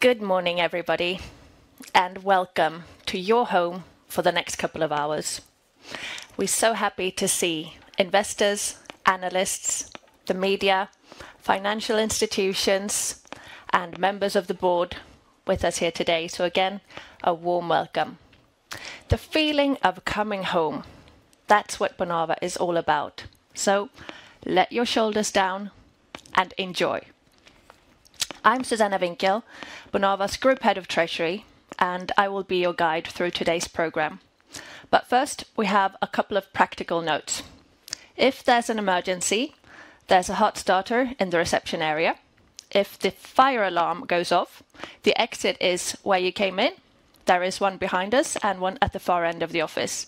Good morning, everybody, and welcome to your home for the next couple of hours. We're so happy to see investors, analysts, the media, financial institutions, and members of the board with us here today. Again, a warm welcome. The feeling of coming home, that's what Bonava is all about. Let your shoulders down and enjoy. I'm Susanna Winkiel, Bonava's Group Head of Treasury, and I will be your guide through today's program. First, we have a couple of practical notes. If there's an emergency, there's a hot starter in the reception area. If the fire alarm goes off, the exit is where you came in. There is one behind us and one at the far end of the office.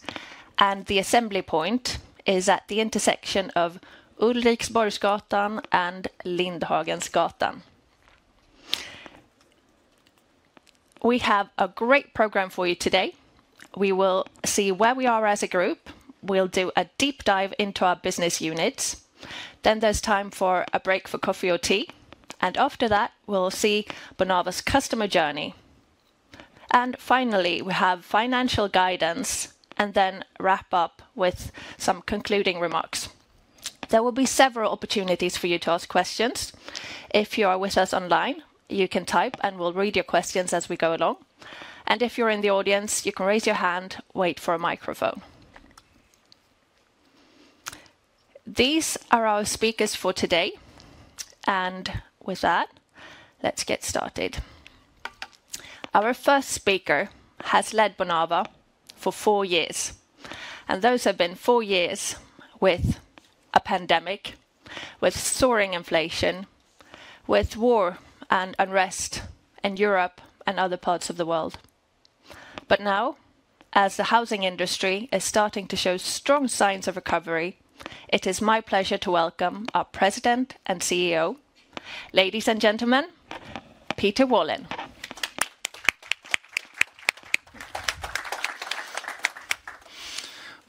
The assembly point is at the intersection of Ulriksborgsgatan and Lindhagensgatan. We have a great program for you today. We will see where we are as a group. We'll do a deep dive into our business units. There is time for a break for coffee or tea. After that, we'll see Bonava's customer journey. Finally, we have financial guidance, and then wrap up with some concluding remarks. There will be several opportunities for you to ask questions. If you are with us online, you can type, and we'll read your questions as we go along. If you're in the audience, you can raise your hand and wait for a microphone. These are our speakers for today. With that, let's get started. Our first speaker has led Bonava for four years. Those have been four years with a pandemic, with soaring inflation, with war and unrest in Europe and other parts of the world. Now, as the housing industry is starting to show strong signs of recovery, it is my pleasure to welcome our President and CEO, ladies and gentlemen, Peter Wallin.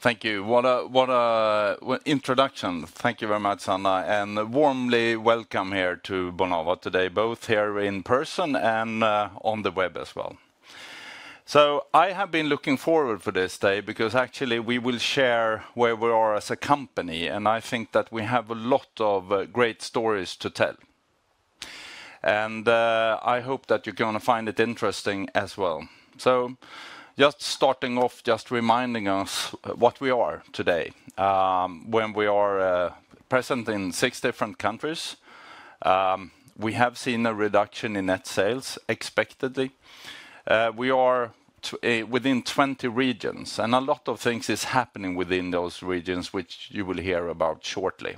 Thank you. What an introduction. Thank you very much, Sanna, and warmly welcome here to Bonava today, both here in person and on the web as well. I have been looking forward to this day because actually we will share where we are as a company. I think that we have a lot of great stories to tell. I hope that you're going to find it interesting as well. Just starting off, just reminding us what we are today. When we are present in six different countries, we have seen a reduction in net sales expectedly. We are within 20 regions, and a lot of things are happening within those regions, which you will hear about shortly.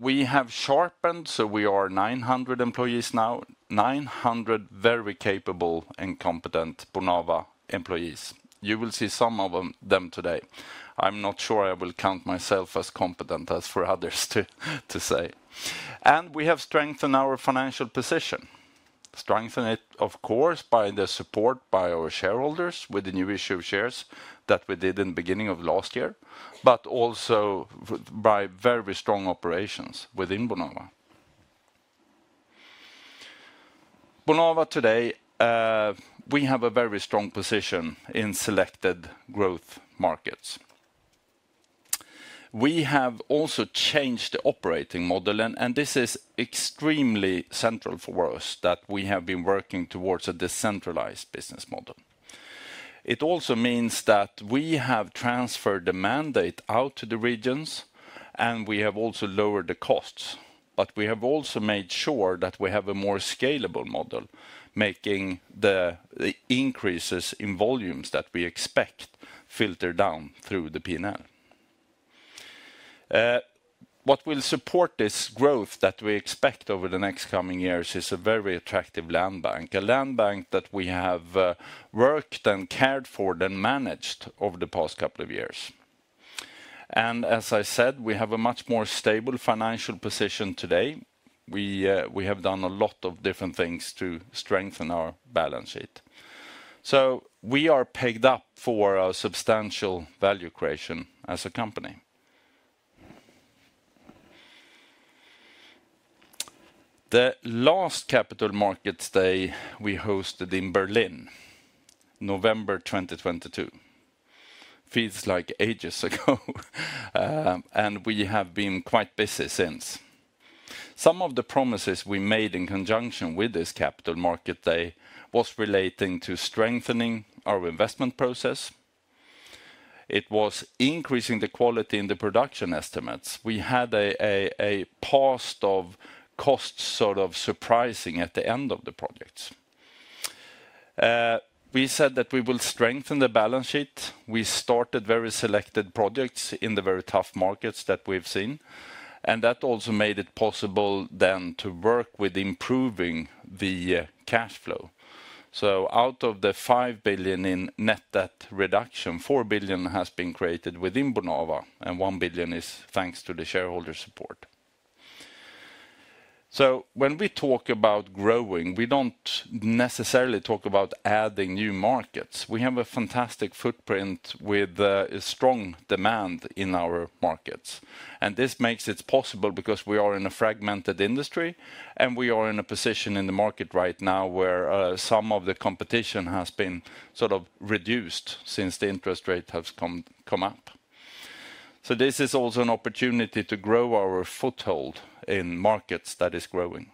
We have sharpened, so we are 900 employees now, 900 very capable and competent Bonava employees. You will see some of them today. I'm not sure I will count myself as competent as for others to say. We have strengthened our financial position. Strengthened it, of course, by the support by our shareholders with the new issue of shares that we did in the beginning of last year, but also by very strong operations within Bonava. Bonava today, we have a very strong position in selected growth markets. We have also changed the operating model, and this is extremely central for us that we have been working towards a decentralized business model. It also means that we have transferred the mandate out to the regions, and we have also lowered the costs. We have also made sure that we have a more scalable model, making the increases in volumes that we expect filter down through the P&L. What will support this growth that we expect over the next coming years is a very attractive land bank, a land bank that we have worked and cared for and managed over the past couple of years. As I said, we have a much more stable financial position today. We have done a lot of different things to strengthen our balance sheet. We are pegged up for a substantial value creation as a company. The last Capital Markets Day we hosted in Berlin, November 2022, feels like ages ago, and we have been quite busy since. Some of the promises we made in conjunction with this Capital Markets Day were relating to strengthening our investment process. It was increasing the quality in the production estimates. We had a past of costs sort of surprising at the end of the projects. We said that we will strengthen the balance sheet. We started very selected projects in the very tough markets that we've seen. That also made it possible then to work with improving the cash flow. Out of the 5 billion in net debt reduction, 4 billion has been created within Bonava, and 1 billion is thanks to the shareholder support. When we talk about growing, we don't necessarily talk about adding new markets. We have a fantastic footprint with strong demand in our markets. This makes it possible because we are in a fragmented industry, and we are in a position in the market right now where some of the competition has been sort of reduced since the interest rate has come up. This is also an opportunity to grow our foothold in markets that are growing.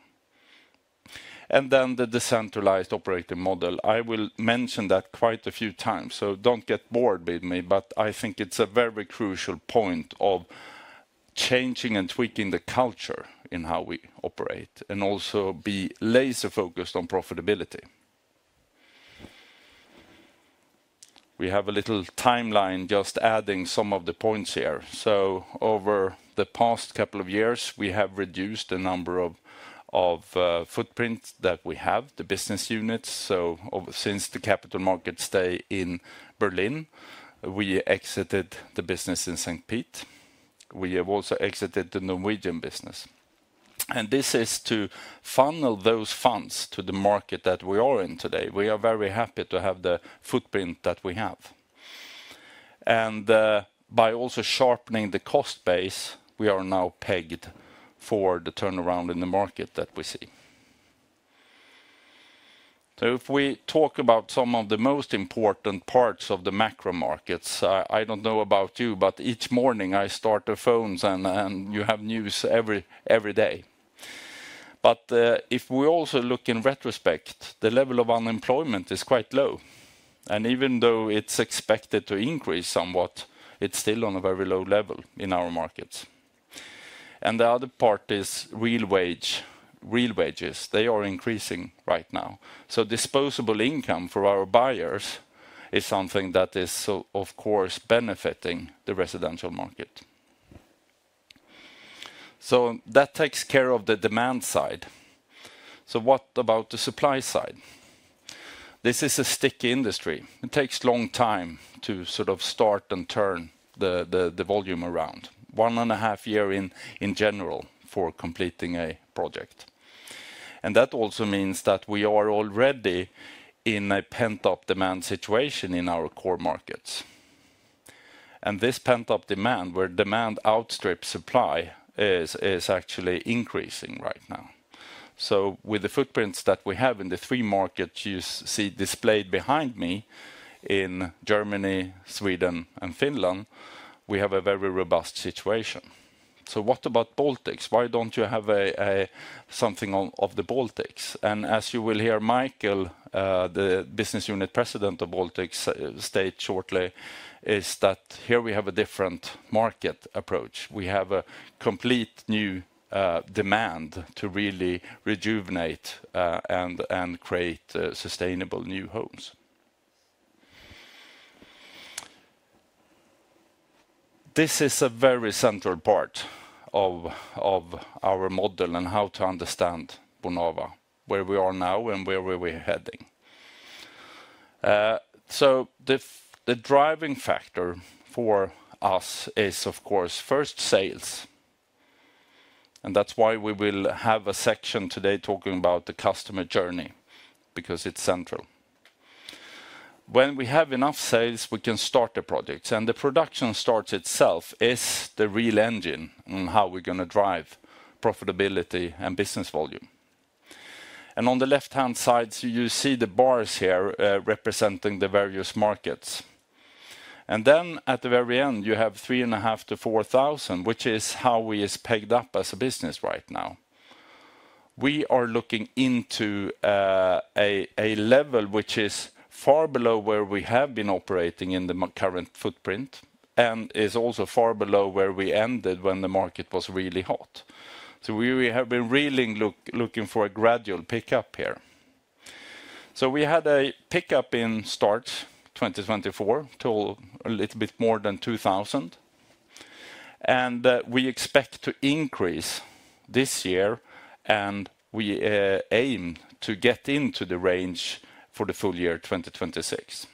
The decentralized operating model. I will mention that quite a few times, so don't get bored with me, but I think it's a very crucial point of changing and tweaking the culture in how we operate and also be laser-focused on profitability. We have a little timeline just adding some of the points here. Over the past couple of years, we have reduced the number of footprints that we have, the business units. Since the Capital Markets Day in Berlin, we exited the business in St. Petersburg. We have also exited the Norwegian business. This is to funnel those funds to the market that we are in today. We are very happy to have the footprint that we have. By also sharpening the cost base, we are now pegged for the turnaround in the market that we see. If we talk about some of the most important parts of the macro markets, I don't know about you, but each morning I start the phones and you have news every day. If we also look in retrospect, the level of unemployment is quite low. Even though it's expected to increase somewhat, it's still on a very low level in our markets. The other part is real wages. They are increasing right now. Disposable income for our buyers is something that is, of course, benefiting the residential market. That takes care of the demand side. What about the supply side? This is a sticky industry. It takes a long time to sort of start and turn the volume around, one and a half year in general for completing a project. That also means that we are already in a pent-up demand situation in our core markets. This pent-up demand, where demand outstrips supply, is actually increasing right now. With the footprints that we have in the three markets you see displayed behind me in Germany, Sweden, and Finland, we have a very robust situation. What about Baltics? Why do you not have something of the Baltics? As you will hear Mikael, the Business Unit President of Baltics, state shortly, here we have a different market approach. We have a complete new demand to really rejuvenate and create sustainable new homes. This is a very central part of our model and how to understand Bonava, where we are now and where we are heading. The driving factor for us is, of course, first sales. That is why we will have a section today talking about the customer journey because it is central. When we have enough sales, we can start the projects. The production start itself is the real engine on how we are going to drive profitability and business volume. On the left-hand side, you see the bars here representing the various markets. At the very end, you have 3,500-4,000, which is how we are pegged up as a business right now. We are looking into a level which is far below where we have been operating in the current footprint and is also far below where we ended when the market was really hot. We have been really looking for a gradual pickup here. We had a pickup in starts 2024 to a little bit more than 2,000. We expect to increase this year, and we aim to get into the range for the full year 2026.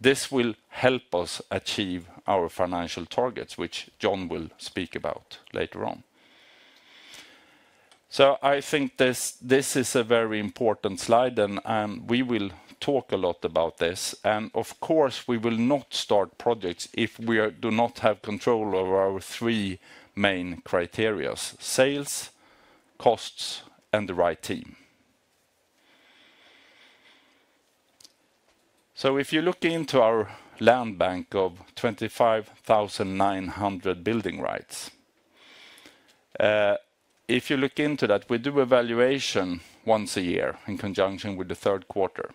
This will help us achieve our financial targets, which Jon will speak about later on. I think this is a very important slide, and we will talk a lot about this. Of course, we will not start projects if we do not have control over our three main criteria: sales, costs, and the right team. If you look into our land bank of 25,900 building rights, if you look into that, we do evaluation once a year in conjunction with the third quarter.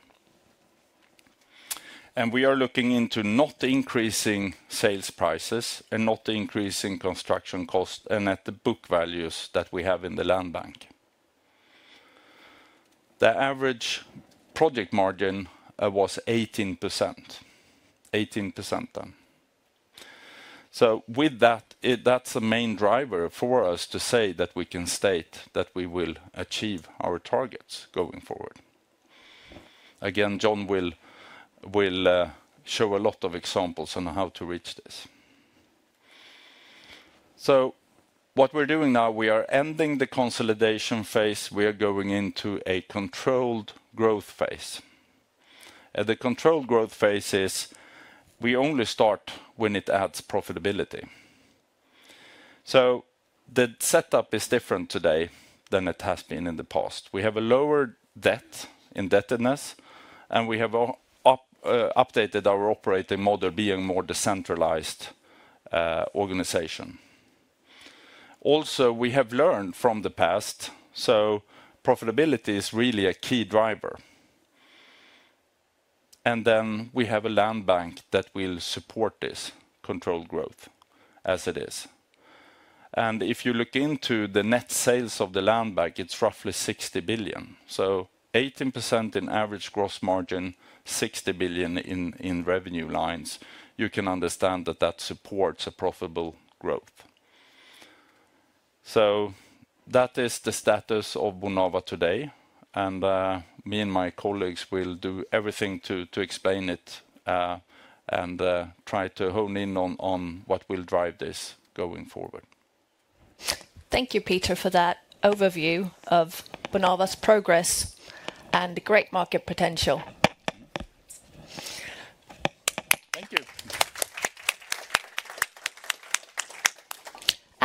We are looking into not increasing sales prices and not increasing construction costs and at the book values that we have in the land bank. The average project margin was 18%, 18% then. With that, that's a main driver for us to say that we can state that we will achieve our targets going forward. Again, John will show a lot of examples on how to reach this. What we are doing now, we are ending the consolidation phase. We are going into a controlled growth phase. The controlled growth phase is we only start when it adds profitability. The setup is different today than it has been in the past. We have a lower debt indebtedness, and we have updated our operating model being more decentralized organization. Also, we have learned from the past. Profitability is really a key driver. We have a land bank that will support this controlled growth as it is. If you look into the net sales of the land bank, it's roughly 60 billion. Eighteen percent in average gross margin, 60 billion in revenue lines, you can understand that that supports a profitable growth. That is the status of Bonava today. Me and my colleagues will do everything to explain it and try to hone in on what will drive this going forward. Thank you, Peter, for that overview of Bonava's progress and great market potential.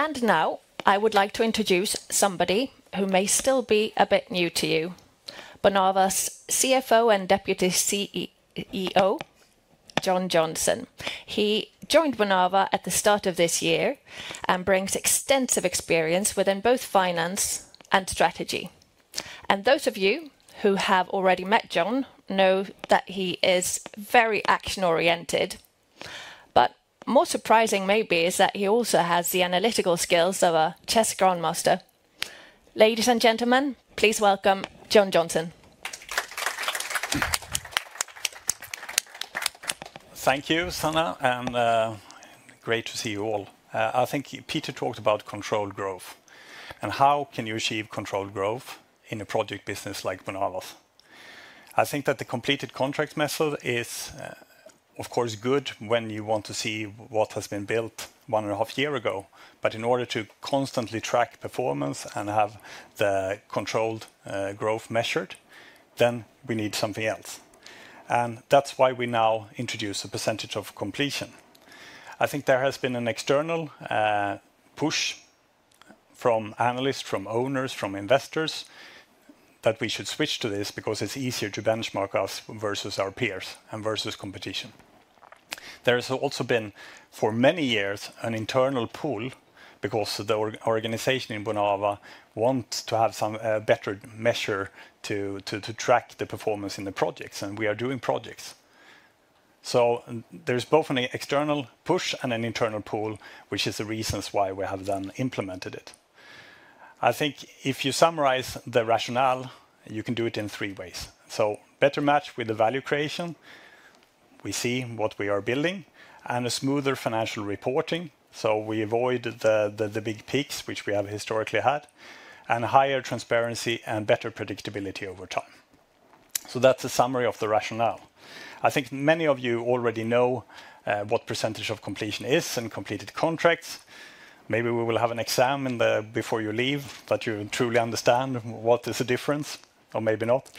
Thank you. Now I would like to introduce somebody who may still be a bit new to you, Bonava's CFO and Deputy CEO, John Johnson. He joined Bonava at the start of this year and brings extensive experience within both finance and strategy. Those of you who have already met John know that he is very action-oriented. More surprising maybe is that he also has the analytical skills of a chess grandmaster. Ladies and gentlemen, please welcome Jon Johnson. Thank you, Sanna, and great to see you all. I think Peter talked about controlled growth and how can you achieve controlled growth in a project business like Bonava. I think that the completed contract method is, of course, good when you want to see what has been built one and a half years ago. In order to constantly track performance and have the controlled growth measured, then we need something else. That is why we now introduce a percentage of completion. I think there has been an external push from analysts, from owners, from investors that we should switch to this because it is easier to benchmark us versus our peers and versus competition. There has also been for many years an internal pull because the organization in Bonava wants to have some better measure to track the performance in the projects, and we are doing projects. There is both an external push and an internal pull, which is the reason why we have then implemented it. I think if you summarize the rationale, you can do it in three ways. Better match with the value creation, we see what we are building, and a smoother financial reporting. We avoid the big peaks, which we have historically had, and higher transparency and better predictability over time. That is a summary of the rationale. I think many of you already know what percentage of completion is and completed contracts. Maybe we will have an exam before you leave that you truly understand what is the difference or maybe not.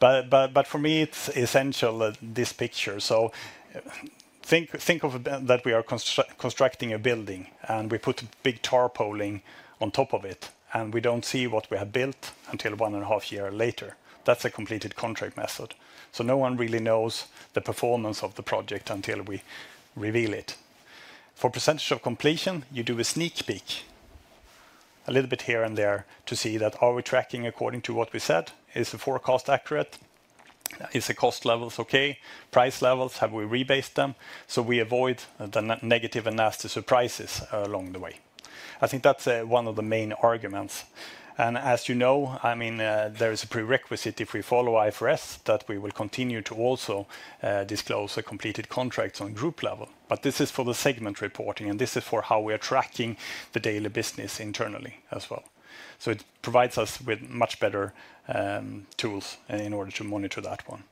For me, it is essential, this picture. Think of that we are constructing a building and we put a big tarpaulin on top of it, and we do not see what we have built until one and a half years later. That is a completed contract method. No one really knows the performance of the project until we reveal it. For percentage of completion, you do a sneak peek, a little bit here and there to see that are we tracking according to what we said? Is the forecast accurate? Is the cost levels okay? Price levels, have we rebased them? We avoid the negative and nasty surprises along the way. I think that is one of the main arguments. As you know, I mean, there is a prerequisite if we follow IFRS that we will continue to also disclose completed contracts on group level. This is for the segment reporting, and this is for how we are tracking the daily business internally as well. It provides us with much better tools in order to monitor that one.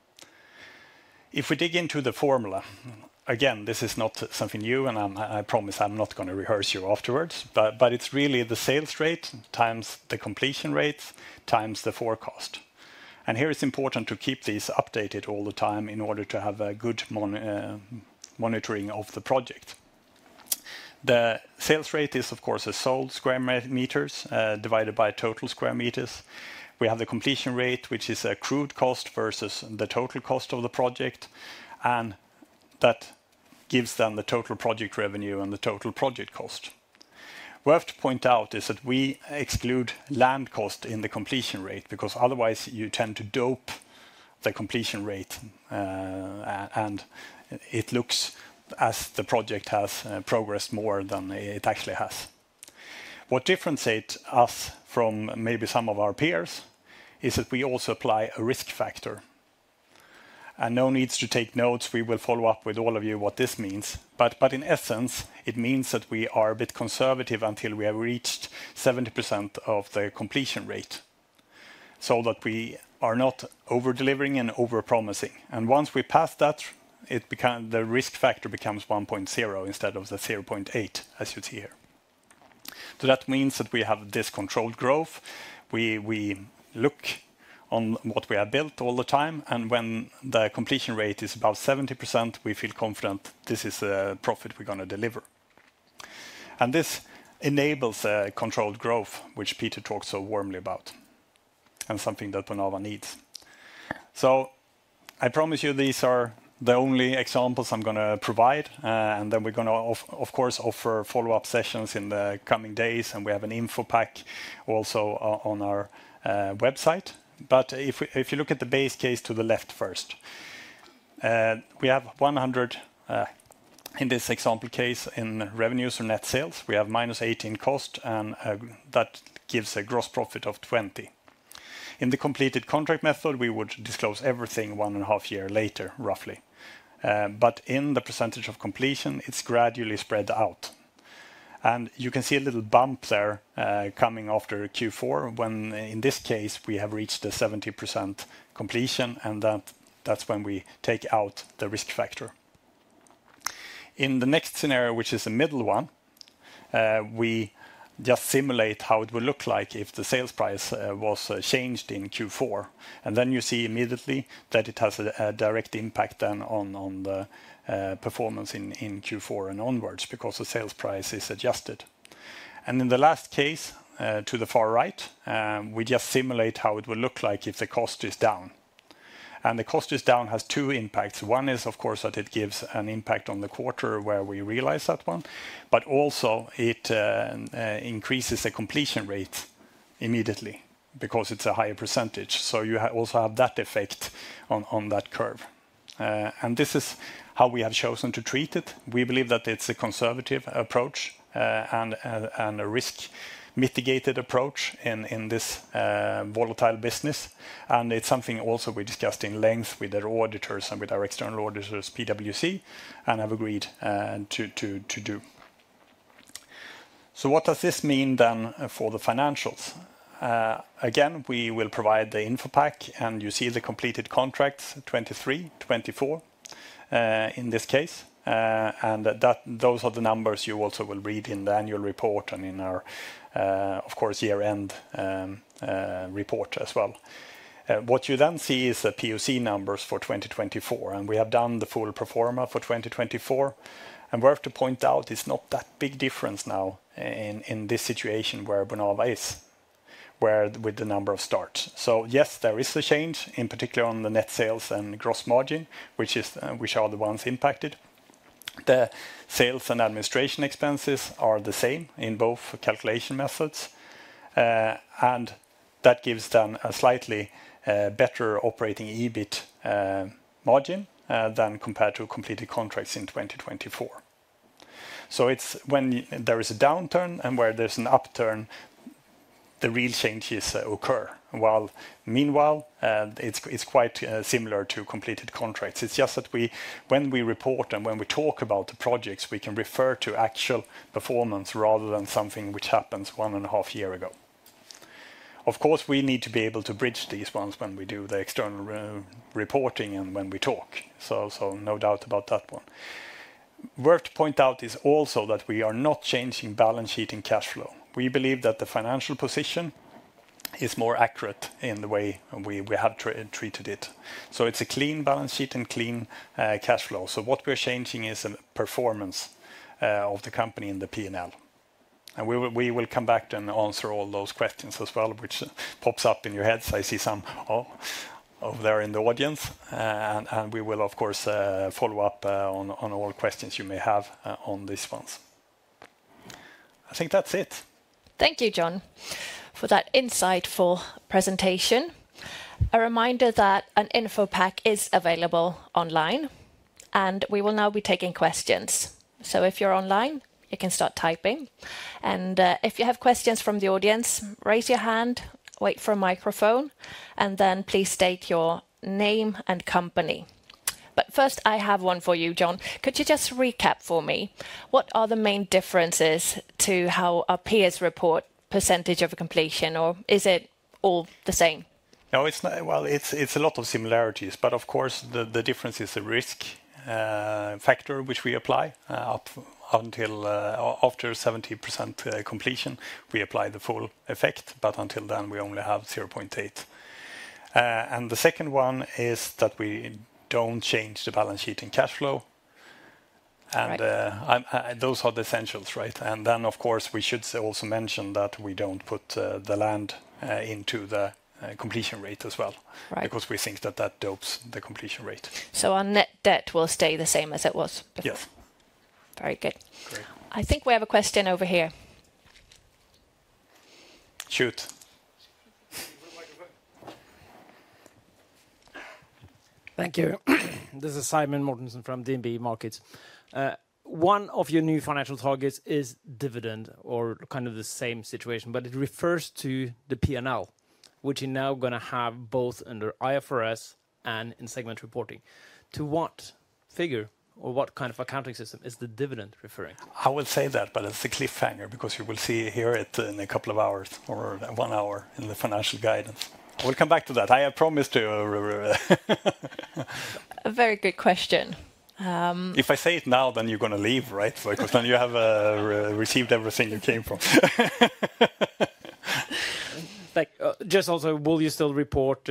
If we dig into the formula, again, this is not something new, and I promise I'm not going to rehearse you afterwards, but it's really the sales rate times the completion rate times the forecast. Here it's important to keep these updated all the time in order to have a good monitoring of the project. The sales rate is, of course, sold square meters divided by total square meters. We have the completion rate, which is accrued cost versus the total cost of the project. That gives them the total project revenue and the total project cost. What I have to point out is that we exclude land cost in the completion rate because otherwise you tend to dope the completion rate, and it looks as the project has progressed more than it actually has. What differentiates us from maybe some of our peers is that we also apply a risk factor. No need to take notes. We will follow up with all of you what this means. In essence, it means that we are a bit conservative until we have reached 70% of the completion rate so that we are not over-delivering and over-promising. Once we pass that, the risk factor becomes 1.0 instead of the 0.8, as you see here. That means that we have this controlled growth. We look on what we have built all the time, and when the completion rate is about 70%, we feel confident this is a profit we're going to deliver. This enables a controlled growth, which Peter talked so warmly about, and something that Bonava needs. I promise you these are the only examples I'm going to provide. We are going to, of course, offer follow-up sessions in the coming days, and we have an info pack also on our website. If you look at the base case to the left first, we have 100 in this example case in revenues or net sales. We have minus 18 cost, and that gives a gross profit of 20. In the completed contract method, we would disclose everything one and a half years later, roughly. In the percentage of completion, it's gradually spread out. You can see a little bump there coming after Q4, when in this case we have reached the 70% completion, and that is when we take out the risk factor. In the next scenario, which is the middle one, we just simulate how it would look like if the sales price was changed in Q4. You see immediately that it has a direct impact then on the performance in Q4 and onwards because the sales price is adjusted. In the last case to the far right, we just simulate how it would look like if the cost is down. The cost is down has two impacts. One is, of course, that it gives an impact on the quarter where we realize that one, but also it increases the completion rate immediately because it is a higher percentage. You also have that effect on that curve. This is how we have chosen to treat it. We believe that it's a conservative approach and a risk-mitigated approach in this volatile business. It's something also we discussed in length with our auditors and with our external auditors, PwC, and have agreed to do. What does this mean then for the financials? Again, we will provide the info pack, and you see the completed contracts 2023, 2024 in this case. Those are the numbers you also will read in the annual report and in our, of course, year-end report as well. What you then see is the PwC numbers for 2024. We have done the full proforma for 2024. We have to point out it's not that big difference now in this situation where Bonava is, with the number of starts. Yes, there is a change, in particular on the net sales and gross margin, which are the ones impacted. The sales and administration expenses are the same in both calculation methods. That gives them a slightly better operating EBIT margin than compared to completed contracts in 2024. When there is a downturn and where there's an upturn, the real changes occur. Meanwhile, it's quite similar to completed contracts. It's just that when we report and when we talk about the projects, we can refer to actual performance rather than something which happened one and a half years ago. Of course, we need to be able to bridge these ones when we do the external reporting and when we talk. No doubt about that one. Worth to point out is also that we are not changing balance sheet and cash flow. We believe that the financial position is more accurate in the way we have treated it. It is a clean balance sheet and clean cash flow. What we are changing is the performance of the company in the P&L. We will come back and answer all those questions as well, which pops up in your heads. I see some over there in the audience. We will, of course, follow up on all questions you may have on these ones. I think that is it. Thank you, John, for that insightful presentation. A reminder that an info pack is available online, and we will now be taking questions. If you're online, you can start typing. If you have questions from the audience, raise your hand, wait for a microphone, and then please state your name and company. First, I have one for you, John. Could you just recap for me? What are the main differences to how our peers report percentage of completion, or is it all the same? It is a lot of similarities, but of course, the difference is the risk factor, which we apply until after 70% completion. We apply the full effect, but until then, we only have 0.8. The second one is that we do not change the balance sheet and cash flow. Those are the essentials, right? Of course, we should also mention that we do not put the land into the completion rate as well because we think that that dopes the completion rate. Our net debt will stay the same as it was before? Yes. Very good. Great. I think we have a question over here. Shoot. Thank you. This is Simon Mortensen from DNB Markets. One of your new financial targets is dividend, or kind of the same situation, but it refers to the P&L, which you're now going to have both under IFRS and in segment reporting. To what figure or what kind of accounting system is the dividend referring? I would say that, but it's the cliffhanger because you will see here in a couple of hours or one hour in the financial guidance. We'll come back to that. I had promised to. A very good question. If I say it now, then you're going to leave, right? Because then you have received everything you came for. Just also, will you still report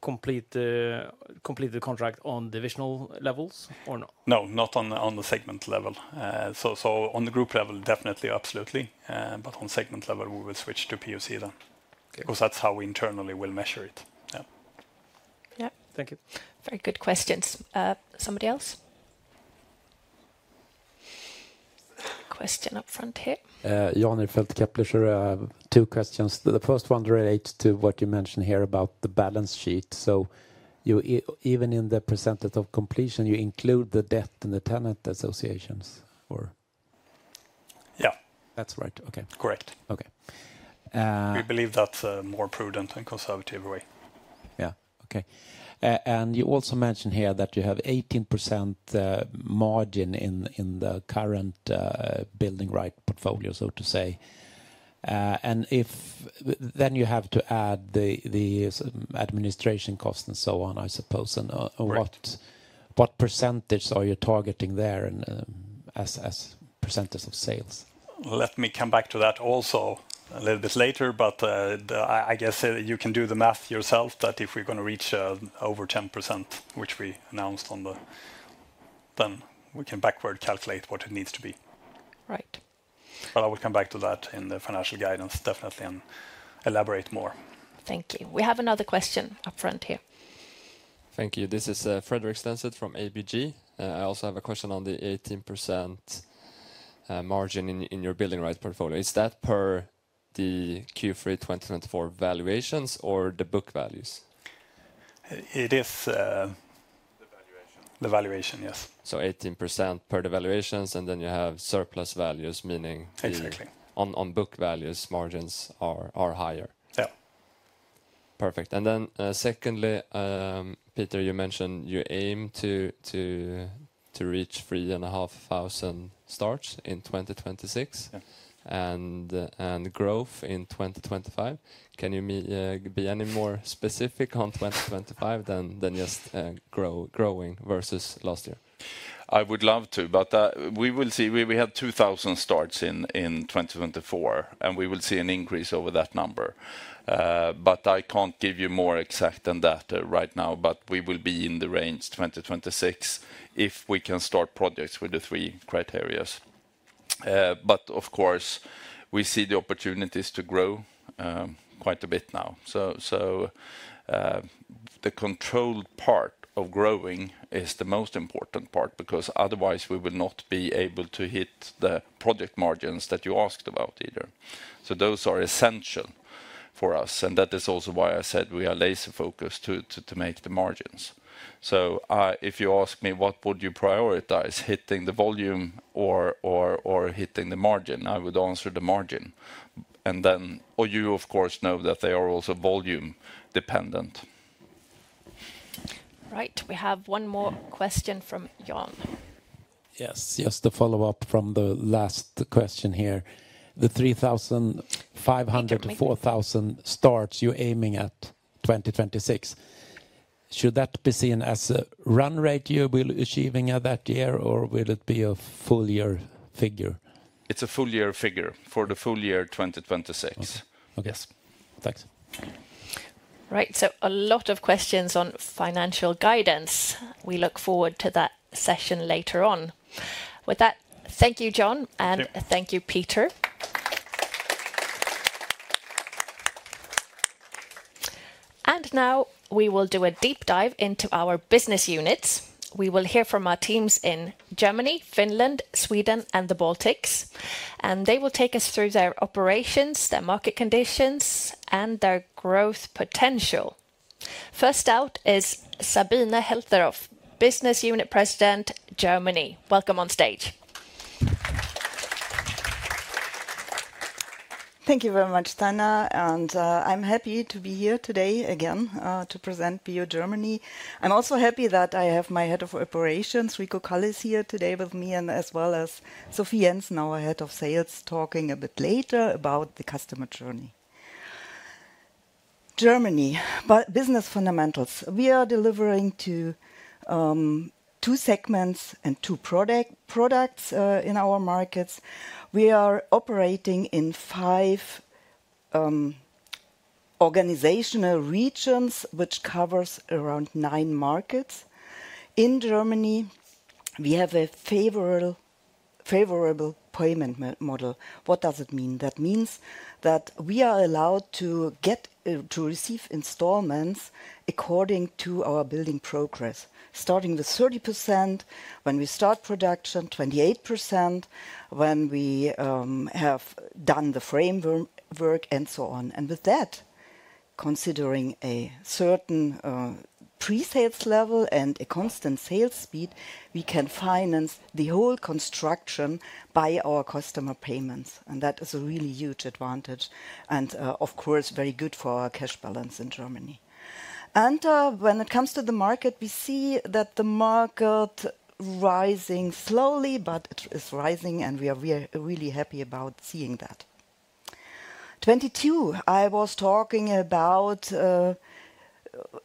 completed contract on divisional levels or no? No, not on the segment level. On the group level, definitely, absolutely. On segment level, we will switch to PwC then because that's how we internally will measure i. Yeah, thank you. Very good questions. Somebody else? Question up front here. Jan Hebel-Keppler, two questions. The first one relates to what you mentioned here about the balance sheet. Even in the percentage of completion, you include the debt and the tenant associations or? Yeah. That's right. Okay. Correct. Okay. W I havee believe that's a more prudent and conservative way. Yeah, okay. You also mentioned here that you have 18% margin in the current building right portfolio, so to say. You have to add the administration costs and so on, I suppose. What percentage are you targeting there as percentage of sales? Let me come back to that also a little bit later, but I guess you can do the math yourself that if we're going to reach over 10%, which we announced on the, then we can backward calculate what it needs to be. Right. I will come back to that in the financial guidance, definitely, and elaborate more. Thank you. We have another question up front here. Thank you. This is Frederik Stenset from ABG. I also have a question on the 18% margin in your building rights portfolio. Is that per the Q3 2024 valuations or the book values? It is the valuation, yes. Eighteen percent per the valuations, and then you have surplus values, meaning. Exactly. On book values, margins are higher? Yeah. Perfect. Secondly, Peter, you mentioned you aim to reach 3,500 starts in 2026 and growth in 2025. Can you be any more specific on 2025 than just growing versus last year? I would love to, but we will see. We had 2,000 starts in 2024, and we will see an increase over that number. I cannot give you more exact than that right now, but we will be in the range 2026 if we can start projects with the three criteria. Of course, we see the opportunities to grow quite a bit now. The controlled part of growing is the most important part because otherwise we will not be able to hit the project margins that you asked about either. Those are essential for us. That is also why I said we are laser-focused to make the margins. If you ask me what would you prioritize, hitting the volume or hitting the margin, I would answer the margin. You, of course, know that they are also volume dependent. Right. We have one more question from Jan. Yes. Just a follow-up from the last question here. The 3,500-4,000 starts you're aiming at 2026. Should that be seen as a run rate you will be achieving that year, or will it be a full year figure? It's a full year figure for the full year 2026. Okay. Thanks. Right. A lot of questions on financial guidance. We look forward to that session later on. With that, thank you, Jon, and thank you, Peter. Now we will do a deep dive into our business units. We will hear from our teams in Germany, Finland, Sweden, and the Baltics. They will take us through their operations, their market conditions, and their growth potential. First out is Sabine Helterhoff, Business Unit President, Germany. Welcome on stage. Thank you very much, Sana. I am happy to be here today again to present Bonava Germany. I am also happy that I have my Head of Operations, Rico Kallies, here today with me, as well as Sophie Jensen, our Head of Sales, talking a bit later about the customer journey. Germany, business fundamentals. We are delivering to two segments and two products in our markets. We are operating in five organizational regions, which covers around nine markets. In Germany, we have a favorable payment model. What does it mean? That means that we are allowed to receive installments according to our building progress, starting with 30% when we start production, 28% when we have done the framework, and so on. With that, considering a certain pre-sales level and a constant sales speed, we can finance the whole construction by our customer payments. That is a really huge advantage and, of course, very good for our cash balance in Germany. When it comes to the market, we see that the market is rising slowly, but it is rising, and we are really happy about seeing that. In 2022, I was talking about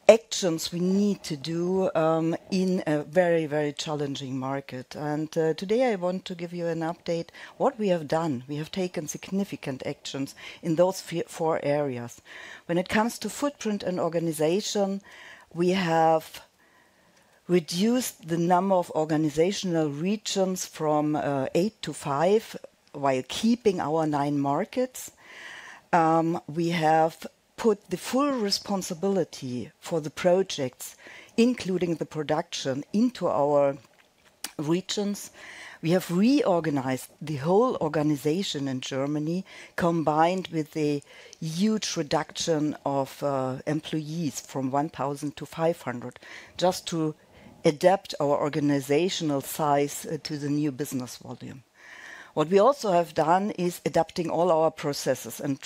actions we need to do in a very, very challenging market. Today, I want to give you an update on what we have done. We have taken significant actions in those four areas. When it comes to footprint and organization, we have reduced the number of organizational regions from eight to five while keeping our nine markets. We have put the full responsibility for the projects, including the production, into our regions. We have reorganized the whole organization in Germany, combined with a huge reduction of employees from 1,000 to 500, just to adapt our organizational size to the new business volume. What we also have done is adapting all our processes and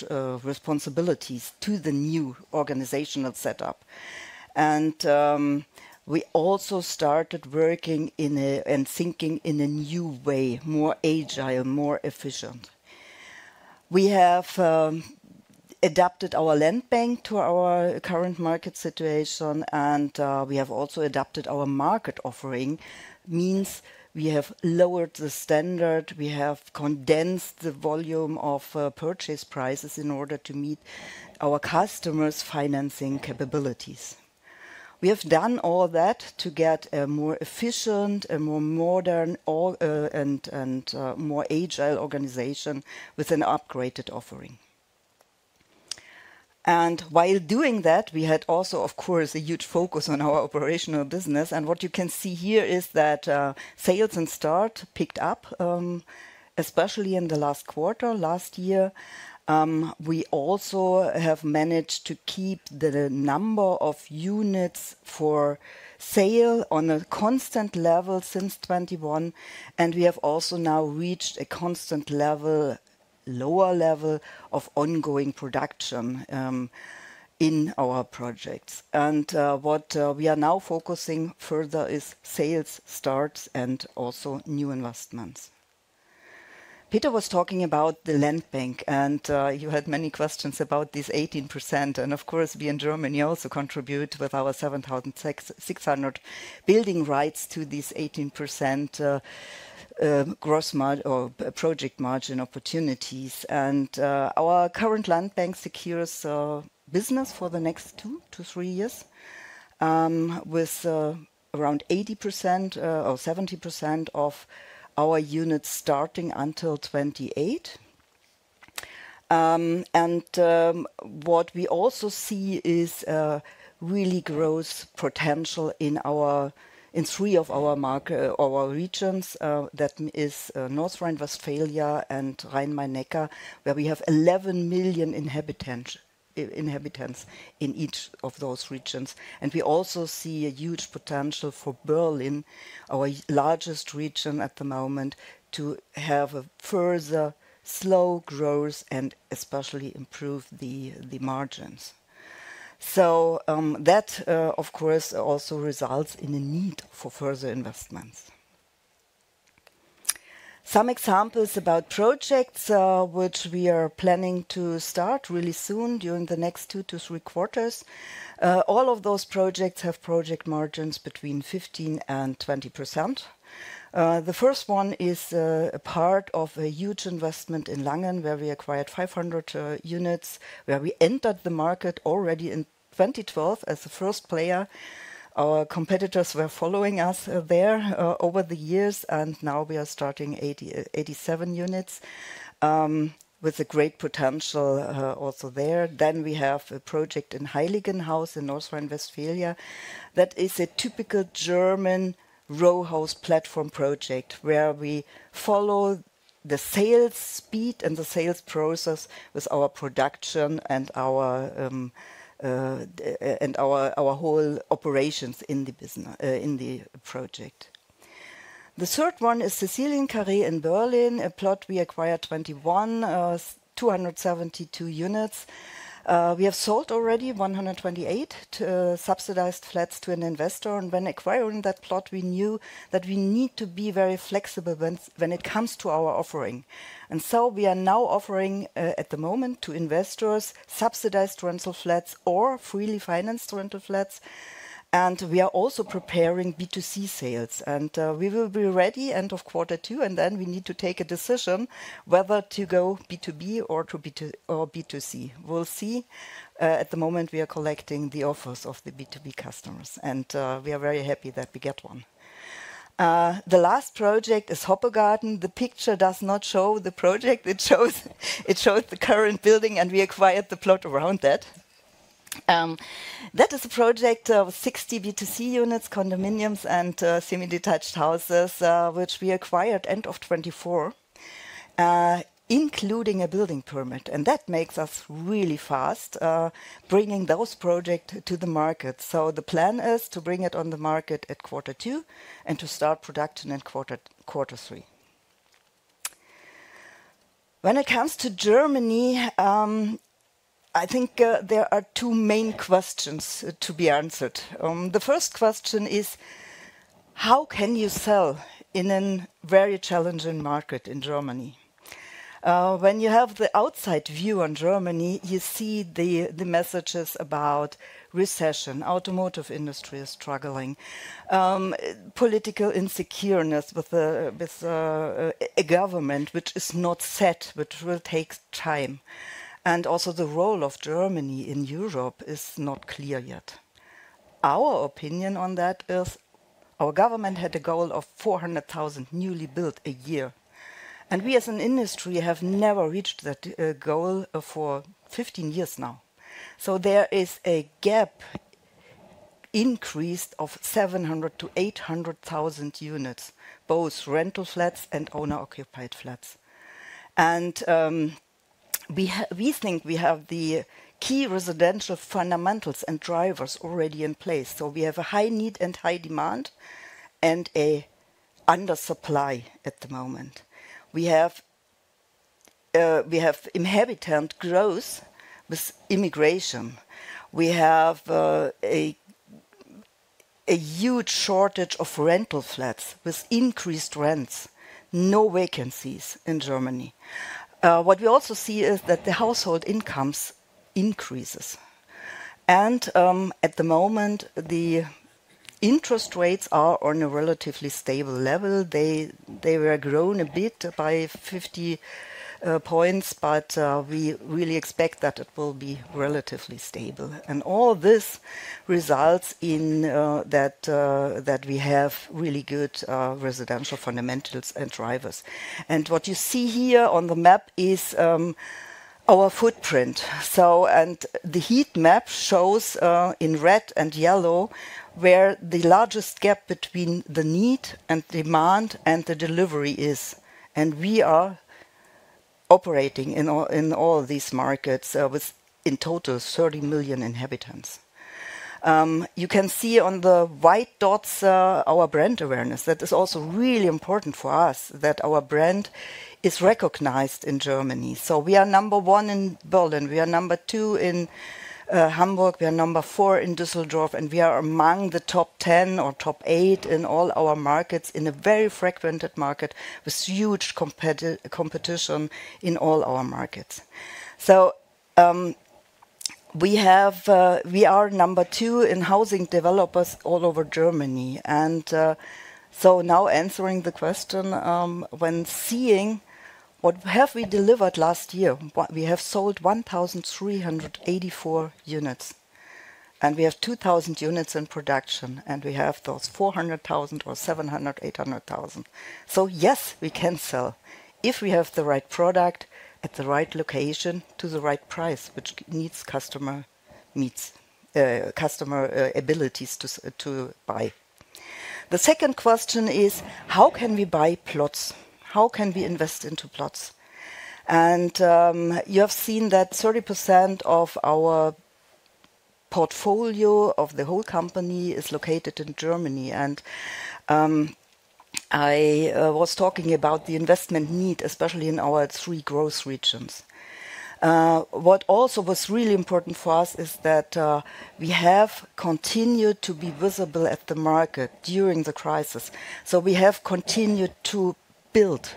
responsibilities to the new organizational setup. We also started working and thinking in a new way, more agile, more efficient. We have adapted our land bank to our current market situation, and we have also adapted our market offering, meaning we have lowered the standard. We have condensed the volume of purchase prices in order to meet our customers' financing capabilities. We have done all that to get a more efficient, a more modern, and more agile organization with an upgraded offering. While doing that, we had also, of course, a huge focus on our operational business. What you can see here is that sales and start picked up, especially in the last quarter last year. We also have managed to keep the number of units for sale on a constant level since 2021. We have also now reached a constant, lower level of ongoing production in our projects. What we are now focusing on further is sales starts and also new investments. Peter was talking about the land bank, and you had many questions about this 18%. Of course, we in Germany also contribute with our 7,600 building rights to these 18% gross project margin opportunities. Our current land bank secures business for the next two to three years with around 80% or 70% of our units starting until 2028. What we also see is really growth potential in three of our regions. That is North Rhine-Westphalia and Rhein-Main-Neckar, where we have 11 million inhabitants in each of those regions. We also see a huge potential for Berlin, our largest region at the moment, to have a further slow growth and especially improve the margins. That, of course, also results in a need for further investments. Some examples about projects which we are planning to start really soon during the next two to three quarters. All of those projects have project margins between 15%-20%. The first one is a part of a huge investment in Langen, where we acquired 500 units, where we entered the market already in 2012 as the first player. Our competitors were following us there over the years, and now we are starting 87 units with a great potential also there. We have a project in Heiligenhaus in North Rhine-Westphalia. That is a typical German row house platform project where we follow the sales speed and the sales process with our production and our whole operations in the project. The third one is Sicilien Carré in Berlin, a plot we acquired in 2021, 272 units. We have sold already 128 subsidized flats to an investor. When acquiring that plot, we knew that we need to be very flexible when it comes to our offering. We are now offering at the moment to investors subsidized rental flats or freely financed rental flats. We are also preparing B2C sales. We will be ready end of quarter two. We need to take a decision whether to go B2B or B2C. We will see. At the moment, we are collecting the offers of the B2B customers, and we are very happy that we get one. The last project is Hoppegarten. The picture does not show the project. It shows the current building, and we acquired the plot around that. That is a project of 60 B2C units, condominiums, and semi-detached houses, which we acquired end of 2024, including a building permit. That makes us really fast bringing those projects to the market. The plan is to bring it on the market at quarter two and to start production in quarter three. When it comes to Germany, I think there are two main questions to be answered. The first question is, how can you sell in a very challenging market in Germany? When you have the outside view on Germany, you see the messages about recession. The automotive industry is struggling. Political insecureness with a government which is not set, which will take time. Also, the role of Germany in Europe is not clear yet. Our opinion on that is our government had a goal of 400,000 newly built a year. We as an industry have never reached that goal for 15 years now. There is a gap increased of 700,000-800,000 units, both rental flats and owner-occupied flats. We think we have the key residential fundamentals and drivers already in place. We have a high need and high demand and an undersupply at the moment. We have inhabitant growth with immigration. We have a huge shortage of rental flats with increased rents. No vacancies in Germany. What we also see is that the household incomes increase. At the moment, the interest rates are on a relatively stable level. They were grown a bit by 50 basis points, but we really expect that it will be relatively stable. All this results in that we have really good residential fundamentals and drivers. What you see here on the map is our footprint. The heat map shows in red and yellow where the largest gap between the need and demand and the delivery is. We are operating in all these markets with in total 30 million inhabitants. You can see on the white dots our brand awareness. That is also really important for us that our brand is recognized in Germany. We are number one in Berlin. We are number two in Hamburg. We are number four in Düsseldorf. We are among the top 10 or top 8 in all our markets in a very fragmented market with huge competition in all our markets. We are number two in housing developers all over Germany. Now answering the question, when seeing what have we delivered last year, we have sold 1,384 units. We have 2,000 units in production. We have those 400,000 or 700,000, 800,000. Yes, we can sell if we have the right product at the right location to the right price, which meets customer abilities to buy. The second question is, how can we buy plots? How can we invest into plots? You have seen that 30% of our portfolio of the whole company is located in Germany. I was talking about the investment need, especially in our three growth regions. What also was really important for us is that we have continued to be visible at the market during the crisis. We have continued to build.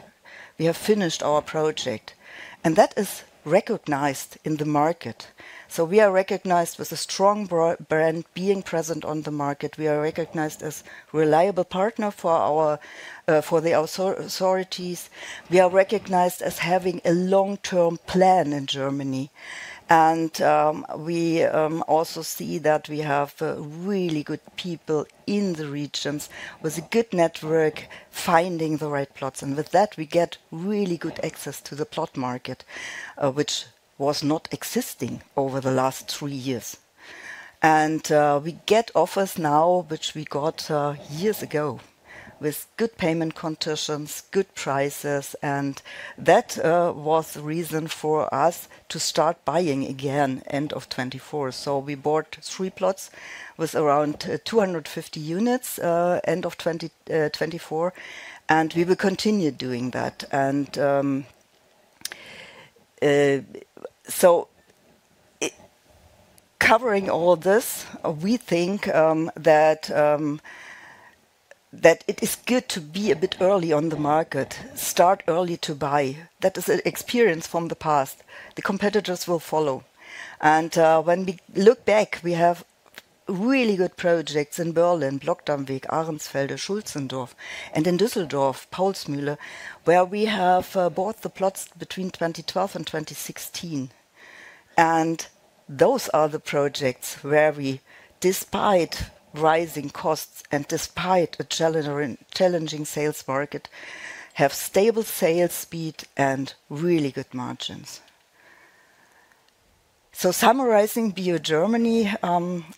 We have finished our project. That is recognized in the market. We are recognized with a strong brand being present on the market. We are recognized as a reliable partner for the authorities. We are recognized as having a long-term plan in Germany. We also see that we have really good people in the regions with a good network finding the right plots. With that, we get really good access to the plot market, which was not existing over the last three years. We get offers now, which we got years ago with good payment conditions, good prices. That was the reason for us to start buying again end of 2024. We bought three plots with around 250 units end of 2024. We will continue doing that. Covering all this, we think that it is good to be a bit early on the market, start early to buy. That is an experience from the past. The competitors will follow. When we look back, we have really good projects in Berlin, Blockdammweg, Ahrensfelde, Schulzendorf, and in Düsseldorf, Paulsmüller, where we have bought the plots between 2012 and 2016. Those are the projects where we, despite rising costs and despite a challenging sales market, have stable sales speed and really good margins. Summarizing Bonava Germany,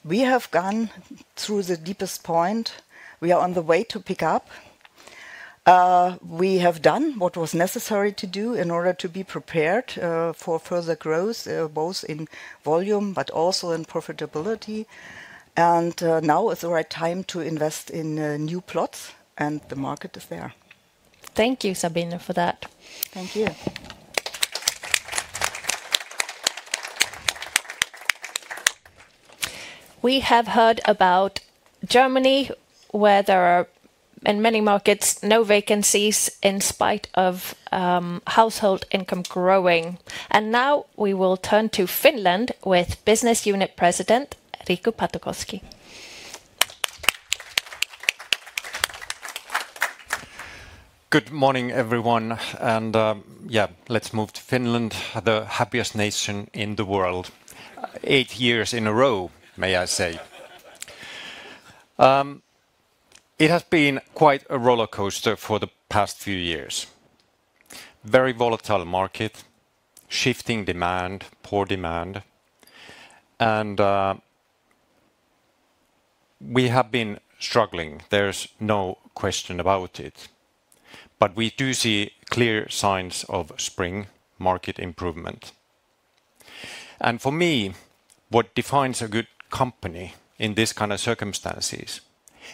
we have gone through the deepest point. We are on the way to pick up. We have done what was necessary to do in order to be prepared for further growth, both in volume, but also in profitability. Now is the right time to invest in new plots. The market is there. Thank you, Sabine, for that. Thank you. We have heard about Germany, where there are in many markets no vacancies in spite of household income growing. Now we will turn to Finland with Business Unit President Riku Patokoski. Good morning, everyone. Yeah, let's move to Finland, the happiest nation in the world. Eight years in a row, may I say. It has been quite a roller coaster for the past few years. Very volatile market, shifting demand, poor demand. We have been struggling. There's no question about it. We do see clear signs of spring market improvement. For me, what defines a good company in these kinds of circumstances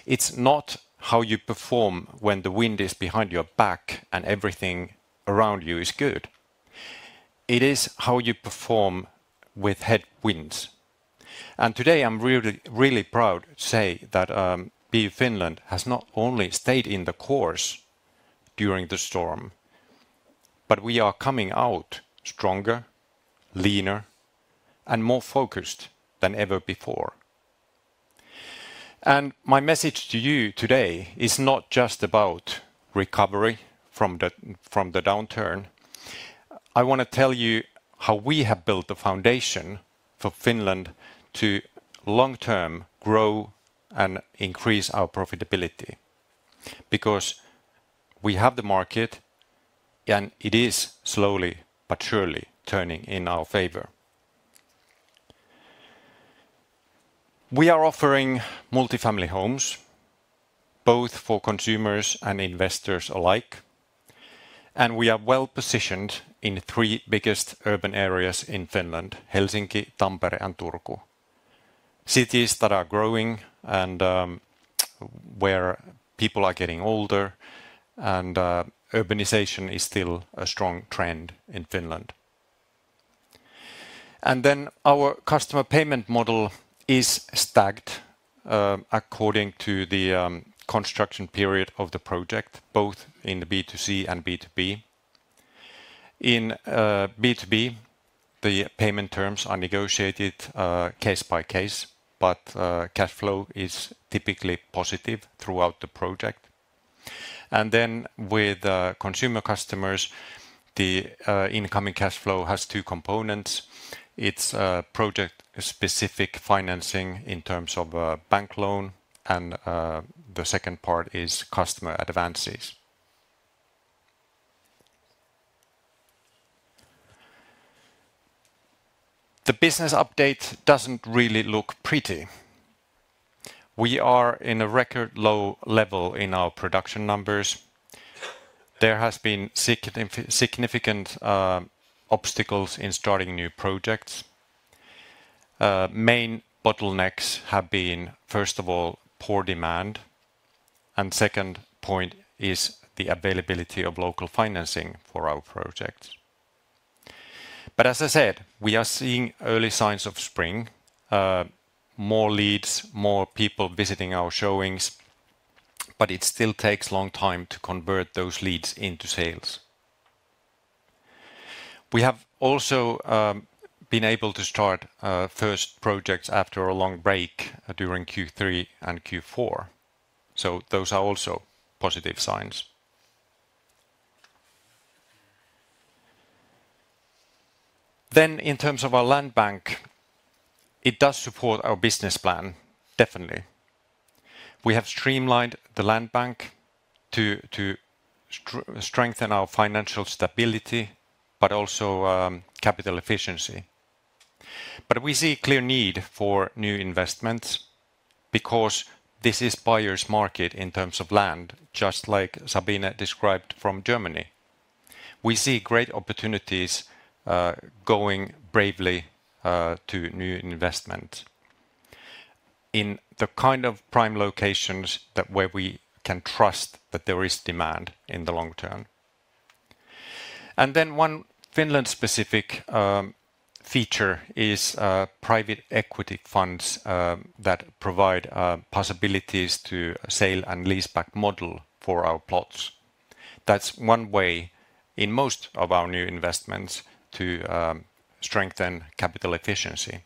is not how you perform when the wind is behind your back and everything around you is good. It is how you perform with headwinds. Today, I'm really proud to say that Bonava Finland has not only stayed the course during the storm, but we are coming out stronger, leaner, and more focused than ever before. My message to you today is not just about recovery from the downturn. I want to tell you how we have built the foundation for Finland to long-term grow and increase our profitability because we have the market, and it is slowly but surely turning in our favor. We are offering multifamily homes, both for consumers and investors alike. We are well positioned in the three biggest urban areas in Finland: Helsinki, Tampere, and Turku. Cities that are growing and where people are getting older, and urbanization is still a strong trend in Finland. Our customer payment model is stacked according to the construction period of the project, both in the B2C and B2B. In B2B, the payment terms are negotiated case by case, but cash flow is typically positive throughout the project. With consumer customers, the incoming cash flow has two components. It's project-specific financing in terms of a bank loan, and the second part is customer advances. The business update doesn't really look pretty. We are in a record low level in our production numbers. There have been significant obstacles in starting new projects. Main bottlenecks have been, first of all, poor demand. The second point is the availability of local financing for our projects. As I said, we are seeing early signs of spring, more leads, more people visiting our showings, but it still takes a long time to convert those leads into sales. We have also been able to start first projects after a long break during Q3 and Q4. Those are also positive signs. In terms of our land bank, it does support our business plan, definitely. We have streamlined the land bank to strengthen our financial stability, but also capital efficiency. We see a clear need for new investments because this is a buyer's market in terms of land, just like Sabine described from Germany. We see great opportunities going bravely to new investments in the kind of prime locations where we can trust that there is demand in the long term. One Finland-specific feature is private equity funds that provide possibilities to sale and lease back model for our plots. That is one way in most of our new investments to strengthen capital efficiency.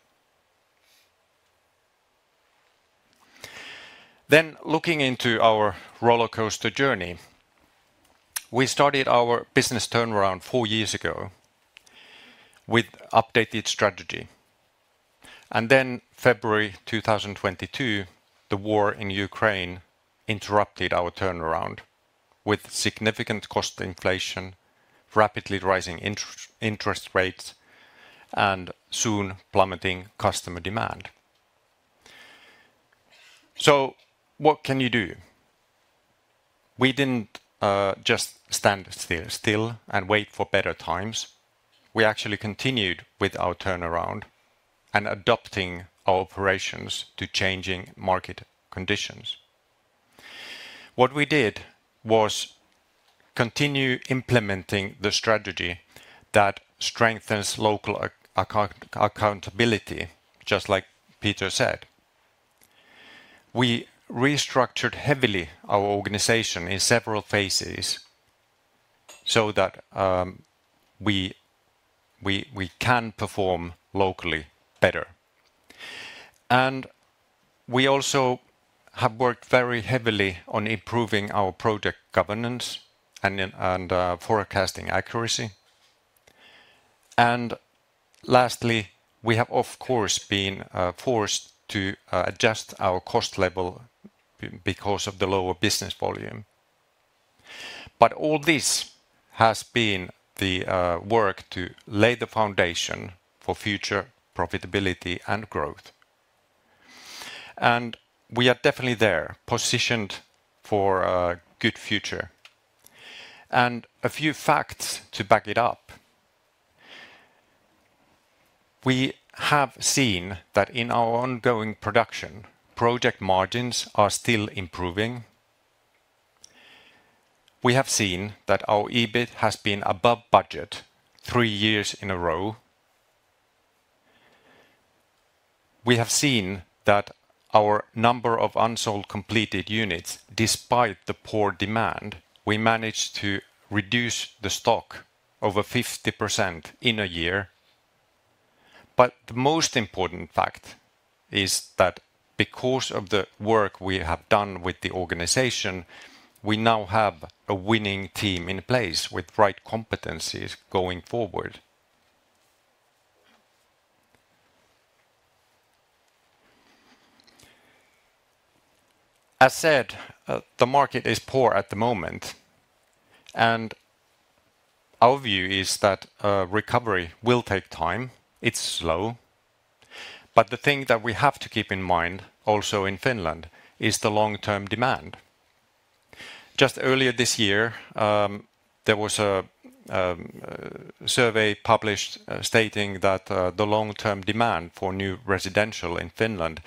Looking into our roller coaster journey, we started our business turnaround four years ago with an updated strategy. In February 2022, the war in Ukraine interrupted our turnaround with significant cost inflation, rapidly rising interest rates, and soon plummeting customer demand. What can you do? We did not just stand still and wait for better times. We actually continued with our turnaround and adopting our operations to changing market conditions. What we did was continue implementing the strategy that strengthens local accountability, just like Peter said. We restructured heavily our organization in several phases so that we can perform locally better. We also have worked very heavily on improving our project governance and forecasting accuracy. Lastly, we have, of course, been forced to adjust our cost level because of the lower business volume. All this has been the work to lay the foundation for future profitability and growth. We are definitely there, positioned for a good future. A few facts to back it up. We have seen that in our ongoing production, project margins are still improving. We have seen that our EBIT has been above budget three years in a row. We have seen that our number of unsold completed units, despite the poor demand, we managed to reduce the stock over 50% in a year. The most important fact is that because of the work we have done with the organization, we now have a winning team in place with the right competencies going forward. As said, the market is poor at the moment. Our view is that recovery will take time. It is slow. The thing that we have to keep in mind also in Finland is the long-term demand. Just earlier this year, there was a survey published stating that the long-term demand for new residential in Finland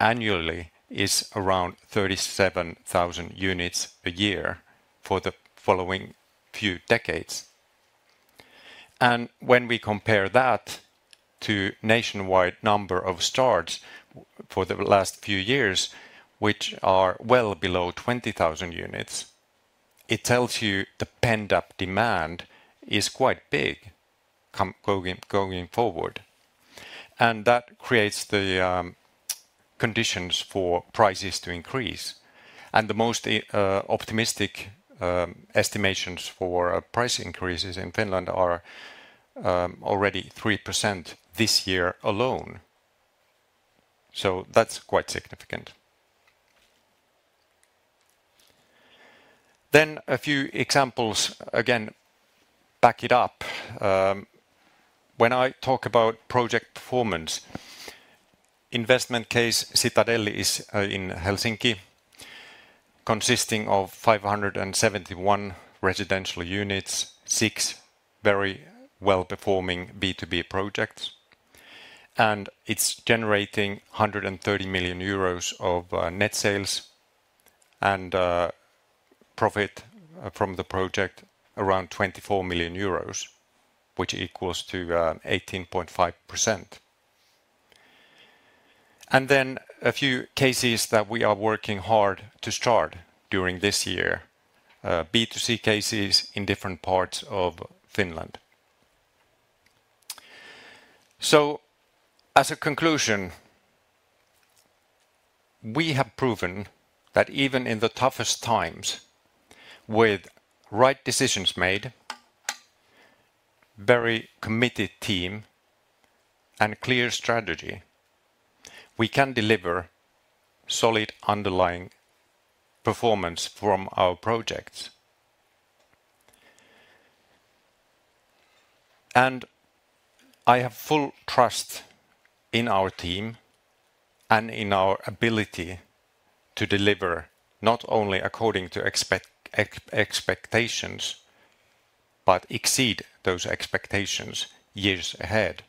annually is around 37,000 units a year for the following few decades. When we compare that to the nationwide number of starts for the last few years, which are well below 20,000 units, it tells you the pent-up demand is quite big going forward. That creates the conditions for prices to increase. The most optimistic estimations for price increases in Finland are already 3% this year alone. That is quite significant. A few examples, again, back it up. When I talk about project performance, investment case Citadelli is in Helsinki, consisting of 571 residential units, six very well-performing B2B projects. It is generating 130 million euros of net sales and profit from the project around 24 million euros, which equals 18.5%. A few cases that we are working hard to start during this year, B2C cases in different parts of Finland. As a conclusion, we have proven that even in the toughest times, with right decisions made, a very committed team, and a clear strategy, we can deliver solid underlying performance from our projects. I have full trust in our team and in our ability to deliver not only according to expectations, but exceed those expectations years ahead.